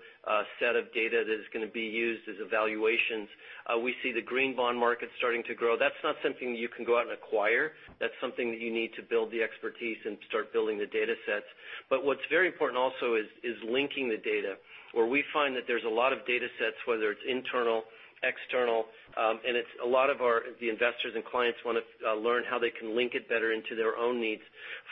set of data that is going to be used as evaluations. We see the green bond market starting to grow. That is not something you can go out and acquire. That is something that you need to build the expertise and start building the datasets. What is very important also is linking the data, where we find that there's a lot of datasets, whether it's internal, external, and it's a lot of the investors and clients want to learn how they can link it better into their own needs.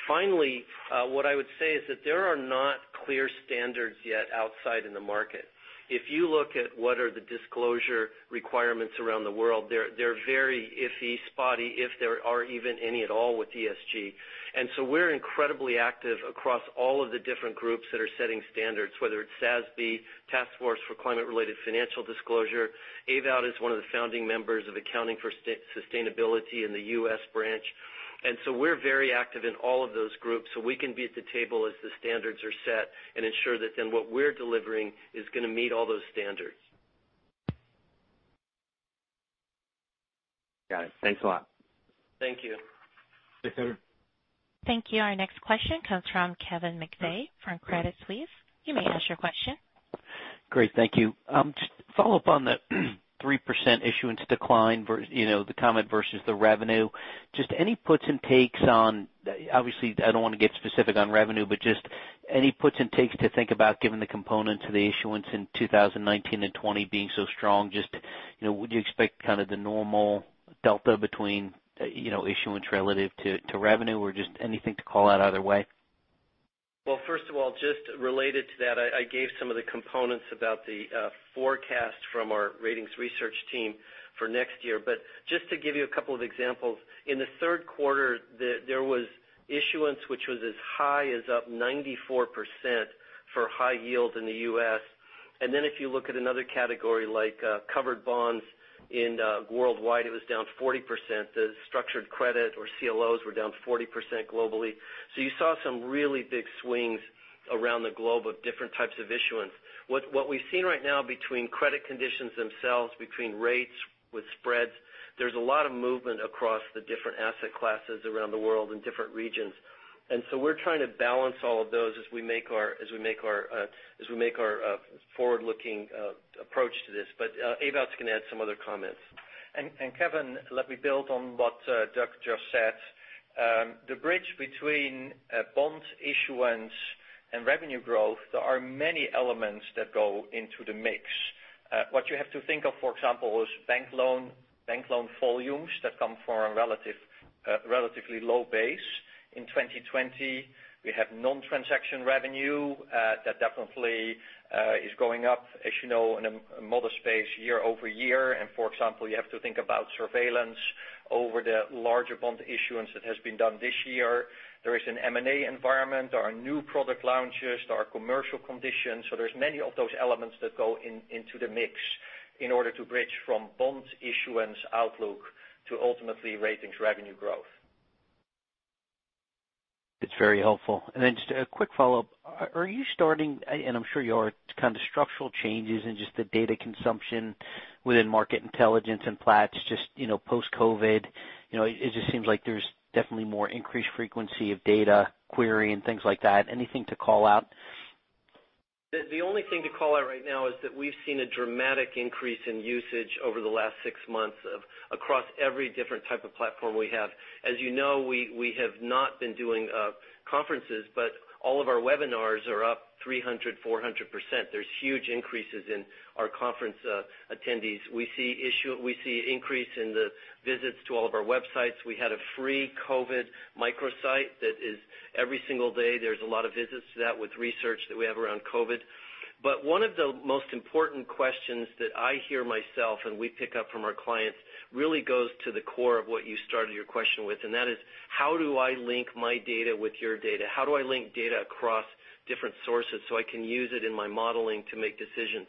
Finally, what I would say is that there are not clear standards yet outside in the market. If you look at what are the disclosure requirements around the world, they're very iffy, spotty, if there are even any at all with ESG. We're incredibly active across all of the different groups that are setting standards, whether it's SASB, Task Force for Climate-Related Financial Disclosure. Ewout is one of the founding members of Accounting for Sustainability in the U.S. branch. We're very active in all of those groups, so we can be at the table as the standards are set and ensure that then what we're delivering is going to meet all those standards. Got it. Thanks a lot. Thank you. Thanks, Andrew. Thank you. Our next question comes from Kevin McVeigh from Credit Suisse. You may ask your question. Great. Thank you. Just to follow up on the 3% issuance decline, the comment versus the revenue. Obviously, I don't want to get specific on revenue, but just any puts and takes to think about given the component to the issuance in 2019 and 2020 being so strong, just would you expect kind of the normal delta between issuance relative to revenue or just anything to call out either way? Well, first of all, just related to that, I gave some of the components about the forecast from our ratings research team for next year. Just to give you a couple of examples, in the third quarter, there was issuance which was as high as up 94% for high yield in the U.S. Then if you look at another category like covered bonds worldwide, it was down 40%. The structured credit or CLOs were down 40% globally. You saw some really big swings around the globe of different types of issuance. What we've seen right now between credit conditions themselves, between rates with spreads, there's a lot of movement across the different asset classes around the world in different regions. We're trying to balance all of those as we make our forward-looking approach to this. Ewout is going to add some other comments. Kevin, let me build on what Doug just said. The bridge between bond issuance and revenue growth, there are many elements that go into the mix. What you have to think of, for example, is bank loan volumes that come from a relatively low base in 2020. We have non-transaction revenue that definitely is going up as you know in a modest pace year-over-year. For example, you have to think about surveillance over the larger bond issuance that has been done this year. There is an M&A environment. There are new product launches. There are commercial conditions. There's many of those elements that go into the mix in order to bridge from bond issuance outlook to ultimately ratings revenue growth. It's very helpful. Just a quick follow-up. Are you starting, and I'm sure you are, kind of structural changes in just the data consumption within Market Intelligence and Platts just post-COVID-19? It just seems like there's definitely more increased frequency of data query and things like that. Anything to call out? The only thing to call out right now is that we've seen a dramatic increase in usage over the last six months across every different type of platform we have. As you know, we have not been doing conferences, all of our webinars are up 300%, 400%. There's huge increases in our conference attendees. We see increase in the visits to all of our websites. We had a free COVID microsite that every single day there's a lot of visits to that with research that we have around COVID. One of the most important questions that I hear myself and we pick up from our clients really goes to the core of what you started your question with, and that is how do I link my data with your data? How do I link data across different sources so I can use it in my modeling to make decisions?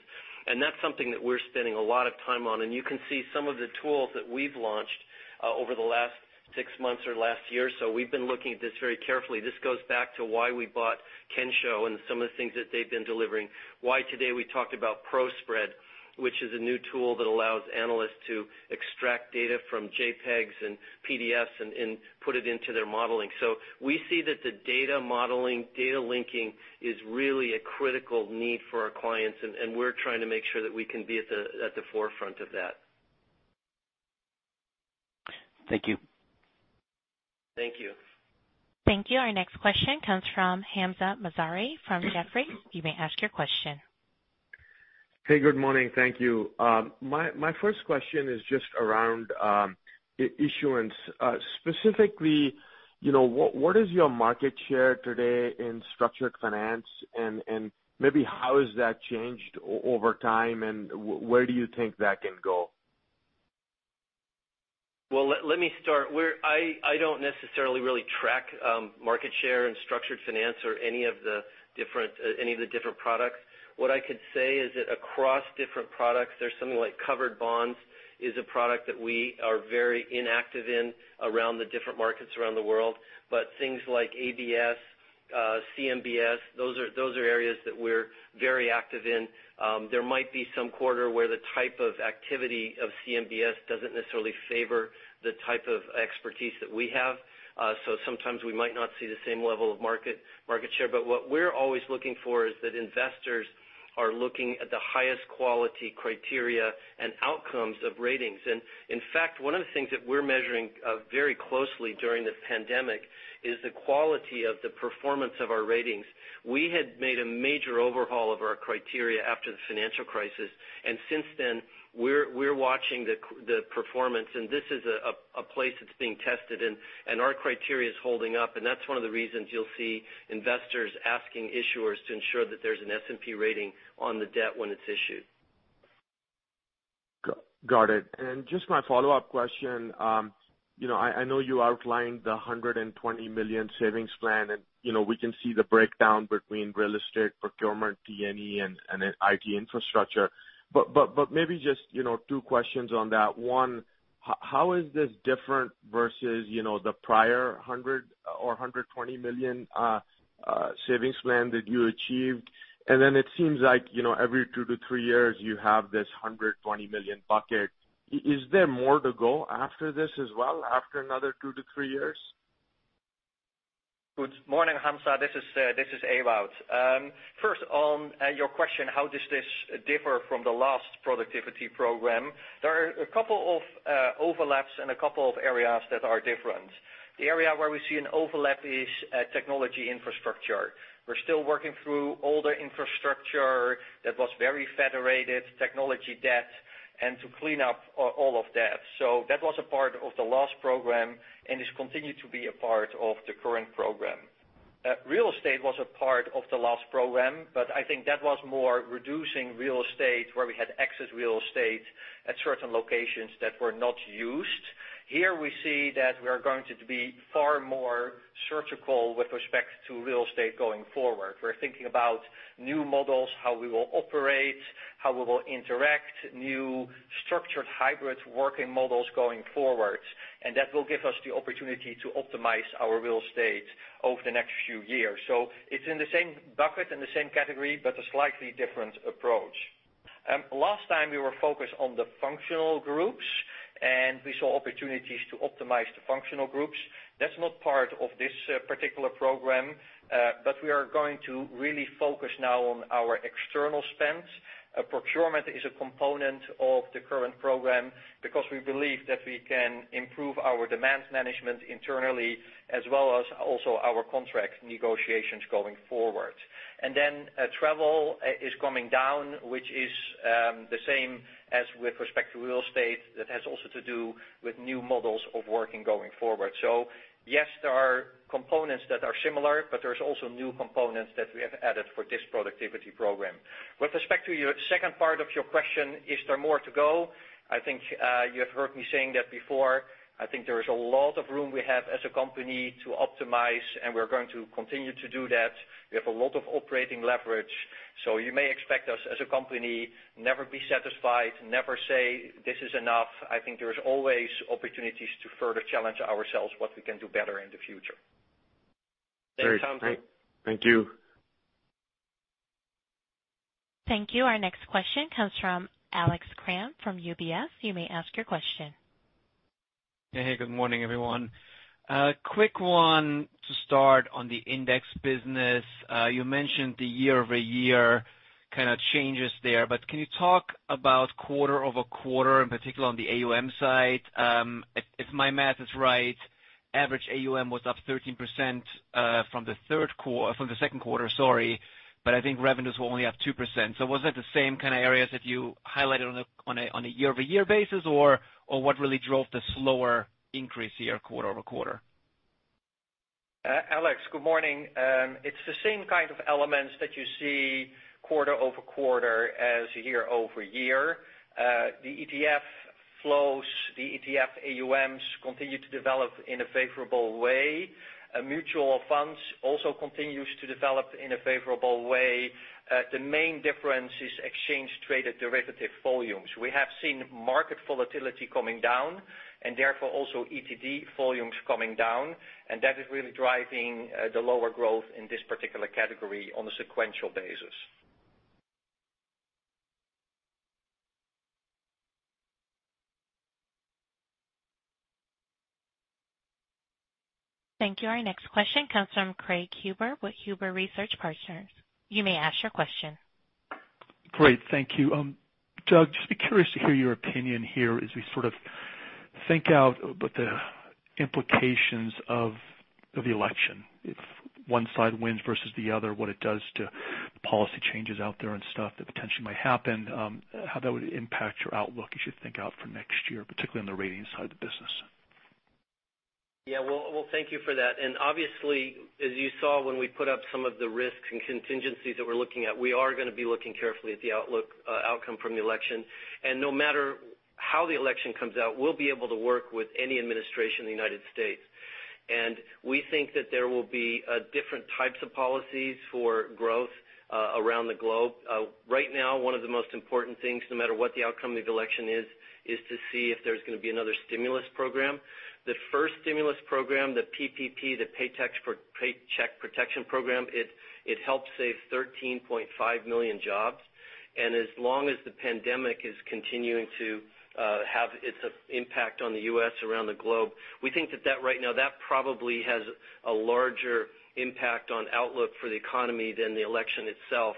That's something that we're spending a lot of time on, and you can see some of the tools that we've launched over the last six months or last year. We've been looking at this very carefully. This goes back to why we bought Kensho and some of the things that they've been delivering. Why today we talked about Pro Spread, which is a new tool that allows analysts to extract data from JPEGs and PDFs and put it into their modeling. We see that the data modeling, data linking is really a critical need for our clients, and we're trying to make sure that we can be at the forefront of that. Thank you. Thank you. Thank you. Our next question comes from Hamzah Mazari from Jefferies. You may ask your question. Hey, good morning. Thank you. My first question is just around issuance. Specifically, what is your market share today in structured finance? Maybe how has that changed over time, and where do you think that can go? Well, let me start. I don't necessarily really track market share and structured finance or any of the different products. What I could say is that across different products, there's something like covered bonds is a product that we are very inactive in around the different markets around the world. Things like ABS, CMBS, those are areas that we're very active in. There might be some quarter where the type of activity of CMBS doesn't necessarily favor the type of expertise that we have. Sometimes we might not see the same level of market share. What we're always looking for is that investors are looking at the highest quality criteria and outcomes of ratings. In fact, one of the things that we're measuring very closely during this pandemic is the quality of the performance of our ratings. We had made a major overhaul of our criteria after the financial crisis. Since then, we're watching the performance. This is a place that's being tested. Our criteria is holding up. That's one of the reasons you'll see investors asking issuers to ensure that there's an S&P rating on the debt when it's issued. Got it. Just my follow-up question. I know you outlined the $120 million savings plan, and we can see the breakdown between real estate, procurement, T&E, and IT infrastructure. Maybe just two questions on that. One, how is this different versus the prior $100 million or $120 million savings plan that you achieved? It seems like every two to three years you have this $120 million bucket. Is there more to go after this as well after another two to three years? Good morning, Hamzah. This is Ewout. First on your question, how does this differ from the last productivity program? There are a couple of overlaps and a couple of areas that are different. The area where we see an overlap is technology infrastructure. We're still working through older infrastructure that was very federated technology debt and to clean up all of that. That was a part of the last program and has continued to be a part of the current program. Real estate was a part of the last program, I think that was more reducing real estate where we had excess real estate at certain locations that were not used. Here we see that we are going to be far more surgical with respect to real estate going forward. We're thinking about new models, how we will operate, how we will interact, new structured hybrid working models going forward. That will give us the opportunity to optimize our real estate over the next few years. It's in the same bucket, in the same category, but a slightly different approach. Last time, we were focused on the functional groups, and we saw opportunities to optimize the functional groups. That's not part of this particular program, but we are going to really focus now on our external spends. Procurement is a component of the current program because we believe that we can improve our demand management internally as well as also our contract negotiations going forward. Travel is coming down, which is the same as with respect to real estate. That has also to do with new models of working going forward. Yes, there are components that are similar, but there's also new components that we have added for this productivity program. With respect to your second part of your question, is there more to go? I think you have heard me saying that before. I think there is a lot of room we have as a company to optimize, and we're going to continue to do that. We have a lot of operating leverage. You may expect us as a company, never be satisfied, never say this is enough. I think there is always opportunities to further challenge ourselves what we can do better in the future. Thanks, Ewout. Great. Thank you. Thank you. Our next question comes from Alex Kramm from UBS. You may ask your question. Hey, good morning, everyone. A quick one to start on the index business. You mentioned the year-over-year kind of changes there. Can you talk about quarter-over-quarter, in particular on the AUM side? If my math is right, average AUM was up 13% from the second quarter. I think revenues were only up 2%. Was that the same kind of areas that you highlighted on a year-over-year basis, or what really drove the slower increase here quarter-over-quarter? Alex, good morning. It's the same kind of elements that you see quarter-over-quarter as year-over-year. The ETF flows, the ETF AUMs continue to develop in a favorable way. Mutual funds also continues to develop in a favorable way. The main difference is exchange traded derivative volumes. We have seen market volatility coming down and therefore also ETD volumes coming down, and that is really driving the lower growth in this particular category on a sequential basis. Thank you. Our next question comes from Craig Huber with Huber Research Partners. You may ask your question. Great. Thank you. Doug, just be curious to hear your opinion here as we sort of think out what the implications of the election, if one side wins versus the other, what it does to policy changes out there and stuff that potentially might happen, how that would impact your outlook as you think out for next year, particularly on the ratings side of the business? Well, thank you for that. Obviously, as you saw when we put up some of the risks and contingencies that we're looking at, we are going to be looking carefully at the outcome from the election. No matter how the election comes out, we'll be able to work with any administration in the United States. We think that there will be different types of policies for growth around the globe. Right now, one of the most important things, no matter what the outcome of the election is to see if there's going to be another stimulus program. The first stimulus program, the PPP, the Paycheck Protection Program, it helped save 13.5 million jobs. As long as the pandemic is continuing to have its impact on the U.S. around the globe, we think that that right now probably has a larger impact on outlook for the economy than the election itself.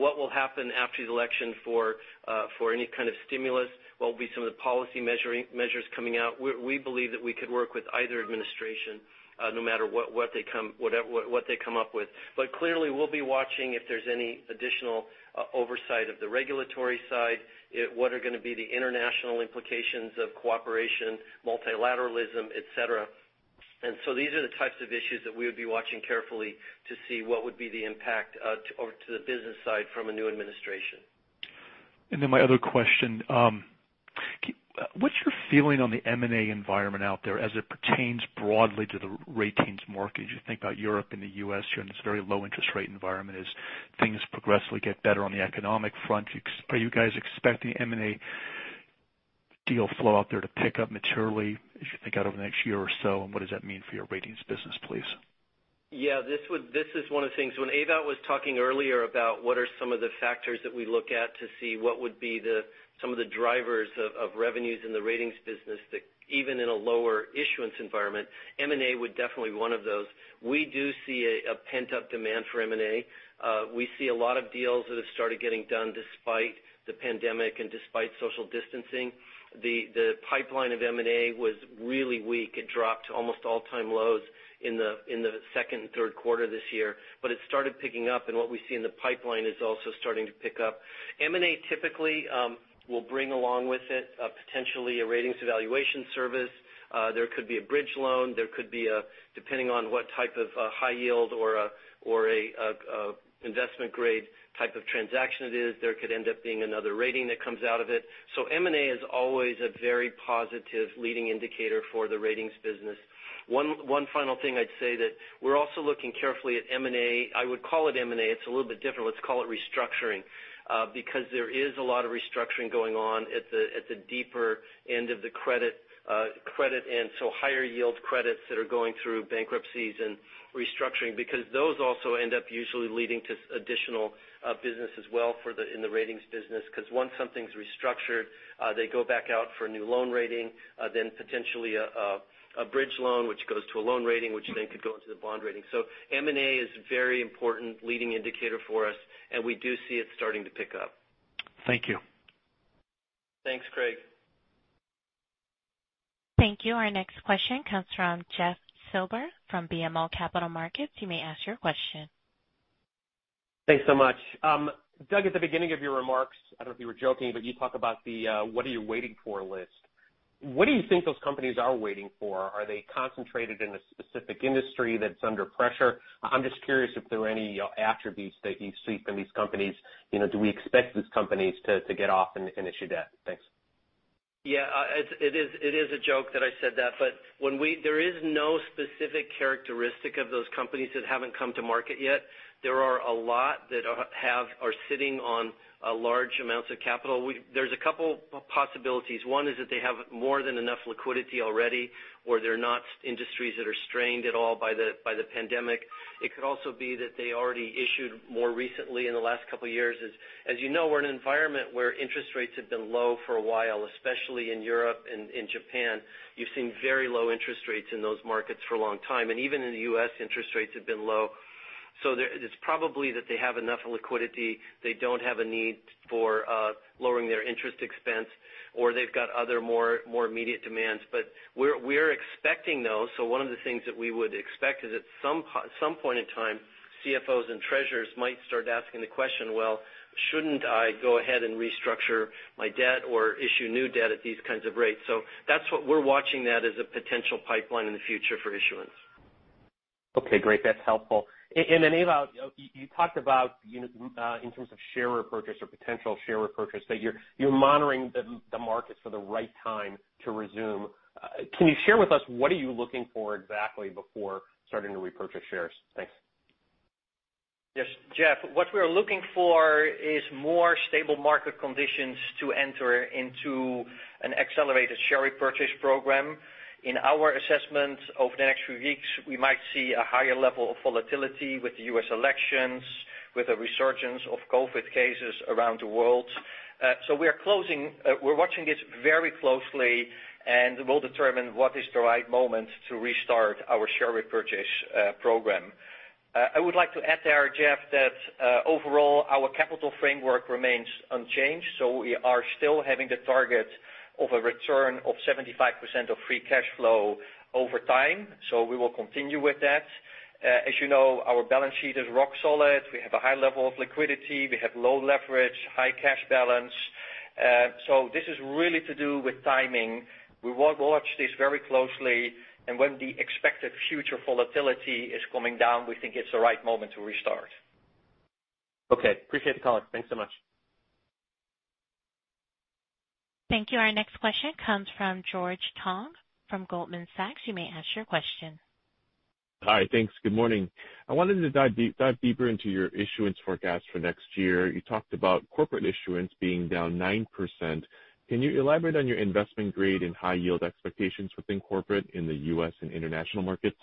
What will happen after the election for any kind of stimulus? What will be some of the policy measures coming out? We believe that we could work with either administration, no matter what they come up with. Clearly, we'll be watching if there's any additional oversight of the regulatory side, what are going to be the international implications of cooperation, multilateralism, et cetera. These are the types of issues that we would be watching carefully to see what would be the impact to the business side from a new administration. My other question, what's your feeling on the M&A environment out there as it pertains broadly to the ratings market? As you think about Europe and the U.S. here in this very low interest rate environment, as things progressively get better on the economic front, are you guys expecting M&A deal flow out there to pick up materially as you think out over the next year or so? What does that mean for your ratings business, please? Yeah. This is one of the things. When Ewout was talking earlier about what are some of the factors that we look at to see what would be some of the drivers of revenues in the ratings business that even in a lower issuance environment, M&A would definitely one of those. We do see a pent-up demand for M&A. We see a lot of deals that have started getting done despite the pandemic and despite social distancing. The pipeline of M&A was really weak. It dropped to almost all-time lows in the second and third quarter this year, but it started picking up, and what we see in the pipeline is also starting to pick up. M&A typically will bring along with it potentially a ratings evaluation service. There could be a bridge loan. Depending on what type of high yield or an investment-grade type of transaction it is, there could end up being another rating that comes out of it. M&A is always a very positive leading indicator for the ratings business. One final thing I'd say that we're also looking carefully at M&A. I would call it M&A, it's a little bit different. Let's call it restructuring. There is a lot of restructuring going on at the deeper end of the credit. Higher yield credits that are going through bankruptcies and restructuring, because those also end up usually leading to additional business as well in the ratings business. Once something's restructured, they go back out for a new loan rating, then potentially a bridge loan, which goes to a loan rating, which then could go into the bond rating. M&A is a very important leading indicator for us, and we do see it starting to pick up. Thank you. Thanks, Craig. Thank you. Our next question comes from Jeff Silber from BMO Capital Markets. You may ask your question. Thanks so much. Doug, at the beginning of your remarks, I don't know if you were joking, but you talk about the what are you waiting for list. What do you think those companies are waiting for? Are they concentrated in a specific industry that's under pressure? I'm just curious if there are any attributes that you see from these companies. Do we expect these companies to get off and issue debt? Thanks. Yeah. It is a joke that I said that. There is no specific characteristic of those companies that haven't come to market yet. There are a lot that are sitting on large amounts of capital. There's a couple possibilities. One is that they have more than enough liquidity already, or they're not industries that are strained at all by the pandemic. It could also be that they already issued more recently in the last couple of years. As you know, we're in an environment where interest rates have been low for a while, especially in Europe and in Japan. You've seen very low interest rates in those markets for a long time. Even in the U.S., interest rates have been low. It's probably that they have enough liquidity, they don't have a need for lowering their interest expense, or they've got other more immediate demands. We're expecting those. One of the things that we would expect is at some point in time, CFOs and treasurers might start asking the question, "Well, shouldn't I go ahead and restructure my debt or issue new debt at these kinds of rates?" That's what we're watching that as a potential pipeline in the future for issuance. Okay, great. That's helpful. Ewout, you talked about in terms of share repurchase or potential share repurchase, that you're monitoring the markets for the right time to resume. Can you share with us what are you looking for exactly before starting to repurchase shares? Thanks. Yes, Jeff. What we are looking for is more stable market conditions to enter into an accelerated share repurchase program. In our assessment, over the next few weeks, we might see a higher level of volatility with the U.S. elections, with a resurgence of COVID cases around the world. We're watching it very closely, and we'll determine what is the right moment to restart our share repurchase program. I would like to add there, Jeff, that overall, our capital framework remains unchanged, so we are still having the target of a return of 75% of free cash flow over time. We will continue with that. As you know, our balance sheet is rock solid. We have a high level of liquidity. We have low leverage, high cash balance. This is really to do with timing. We will watch this very closely, and when the expected future volatility is coming down, we think it's the right moment to restart. Okay. Appreciate the color. Thanks so much. Thank you. Our next question comes from George Tong from Goldman Sachs. You may ask your question. Hi. Thanks. Good morning. I wanted to dive deeper into your issuance forecast for next year. You talked about corporate issuance being down 9%. Can you elaborate on your investment grade and high yield expectations within corporate in the U.S. and international markets?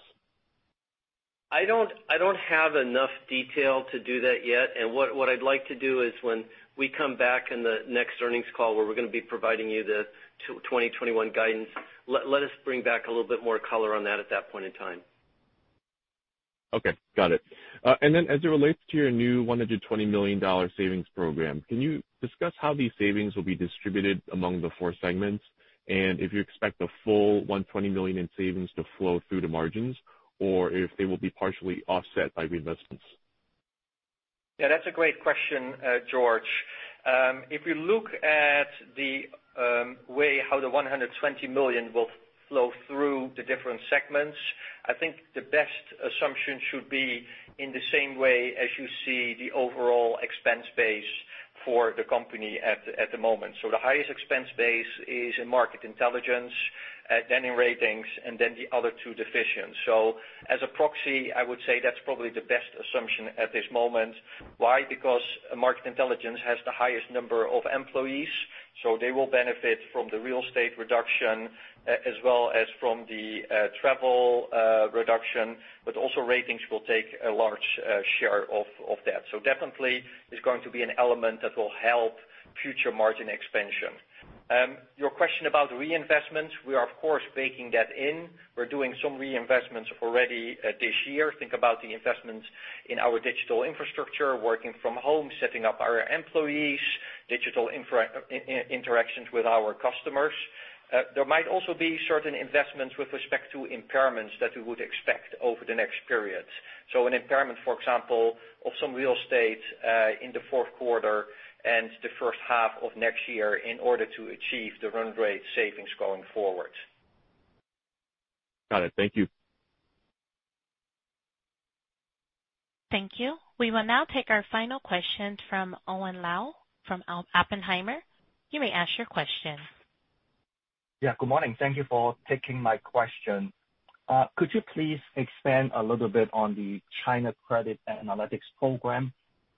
I don't have enough detail to do that yet. What I'd like to do is when we come back in the next earnings call where we're going to be providing you the 2021 guidance, let us bring back a little bit more color on that at that point in time. Okay. Got it. As it relates to your new $120 million savings program, can you discuss how these savings will be distributed among the four segments? If you expect the full $120 million in savings to flow through to margins or if they will be partially offset by reinvestments? Yeah, that's a great question, George. If we look at the way how the $120 million will flow through the different segments, I think the best assumption should be in the same way as you see the overall expense base for the company at the moment. The highest expense base is in Market Intelligence, then in ratings, and then the other two divisions. As a proxy, I would say that's probably the best assumption at this moment. Why? Because Market Intelligence has the highest number of employees, so they will benefit from the real estate reduction as well as from the travel reduction. Also ratings will take a large share of that. Definitely it's going to be an element that will help future margin expansion. Your question about reinvestments, we are of course baking that in. We're doing some reinvestments already this year. Think about the investments in our digital infrastructure, working from home, setting up our employees, digital interactions with our customers. There might also be certain investments with respect to impairments that we would expect over the next periods. An impairment, for example, of some real estate in the fourth quarter and the first half of next year in order to achieve the run rate savings going forward. Got it. Thank you. Thank you. We will now take our final question from Owen Lau, from Oppenheimer. You may ask your question. Yeah, good morning. Thank you for taking my question. Could you please expand a little bit on the China Credit Analytics Platform?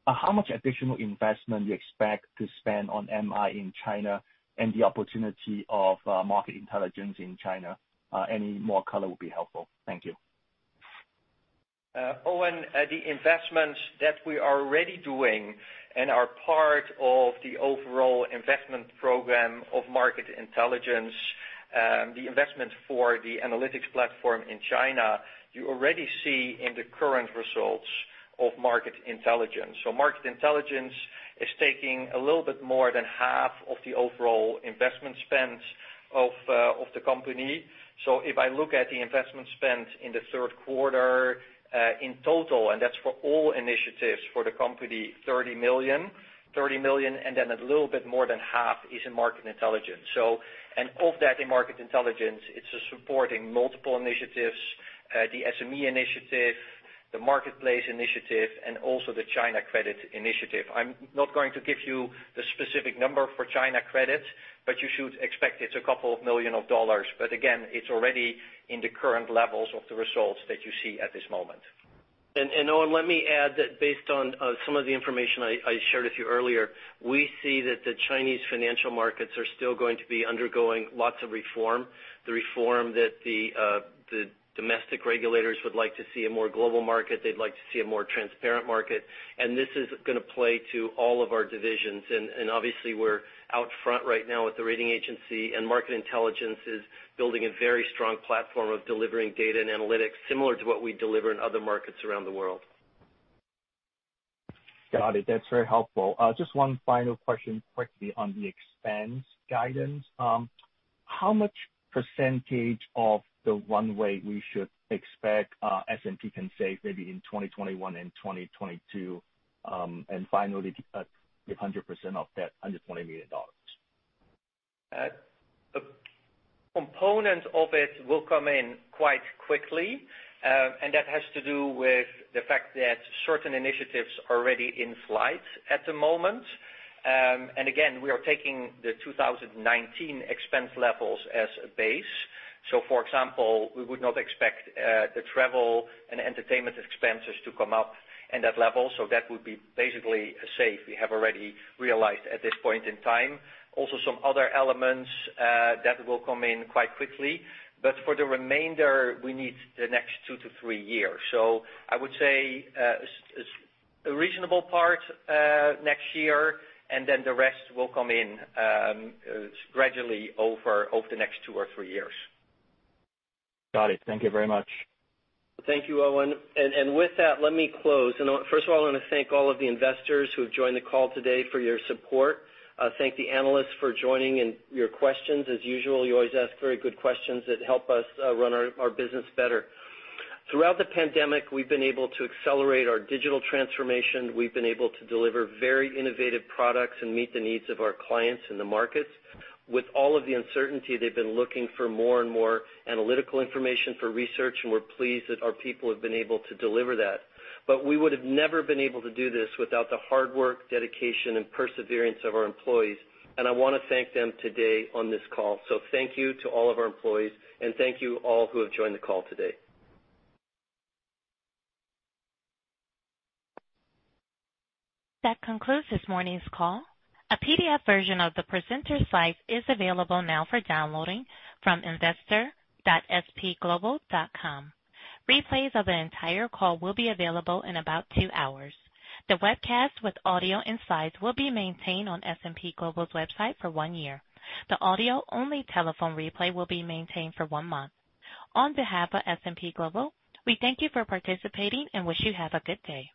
How much additional investment you expect to spend on MI in China and the opportunity of Market Intelligence in China? Any more color would be helpful. Thank you. Owen, the investments that we are already doing and are part of the overall investment program of Market Intelligence, the investment for the analytics platform in China, you already see in the current results of Market Intelligence. Market Intelligence is taking a little bit more than half of the overall investment spends of the company. If I look at the investment spend in the third quarter, in total, and that's for all initiatives for the company, $30 million. $30 million, a little bit more than half is in Market Intelligence. Of that in Market Intelligence, it's supporting multiple initiatives: the SME initiative, the Marketplace initiative, and also the China Credit initiative. I'm not going to give you the specific number for China Credit, but you should expect it's a couple of million of dollars. Again, it's already in the current levels of the results that you see at this moment. Owen, let me add that based on some of the information I shared with you earlier, we see that the Chinese financial markets are still going to be undergoing lots of reform. The reform that the domestic regulators would like to see a more global market, they'd like to see a more transparent market. This is going to play to all of our divisions. Obviously, we're out front right now with the rating agency, and Market Intelligence is building a very strong platform of delivering data and analytics similar to what we deliver in other markets around the world. Got it. That's very helpful. Just one final question quickly on the expense guidance. How much percentage of the runway we should expect S&P can save, maybe in 2021 and 2022? Finally, give 100% of that $120 million. A component of it will come in quite quickly. That has to do with the fact that certain initiatives are already in flight at the moment. Again, we are taking the 2019 expense levels as a base. For example, we would not expect the travel and entertainment expenses to come up in that level. That would be basically safe. We have already realized at this point in time. Some other elements that will come in quite quickly. For the remainder, we need the next two to three years. I would say a reasonable part, next year, and then the rest will come in gradually over the next two or three years. Got it. Thank you very much. Thank you, Owen. With that, let me close. First of all, I want to thank all of the investors who have joined the call today for your support. Thank the analysts for joining and your questions. As usual, you always ask very good questions that help us run our business better. Throughout the pandemic, we've been able to accelerate our digital transformation. We've been able to deliver very innovative products and meet the needs of our clients in the markets. With all of the uncertainty, they've been looking for more and more analytical information for research, and we're pleased that our people have been able to deliver that. We would have never been able to do this without the hard work, dedication, and perseverance of our employees. I want to thank them today on this call. Thank you to all of our employees, and thank you all who have joined the call today. That concludes this morning's call. A PDF version of the presenter slides is available now for downloading from investor.spglobal.com. Replays of the entire call will be available in about two hours. The webcast with audio and slides will be maintained on S&P Global's website for one year. The audio-only telephone replay will be maintained for one month. On behalf of S&P Global, we thank you for participating and wish you have a good day.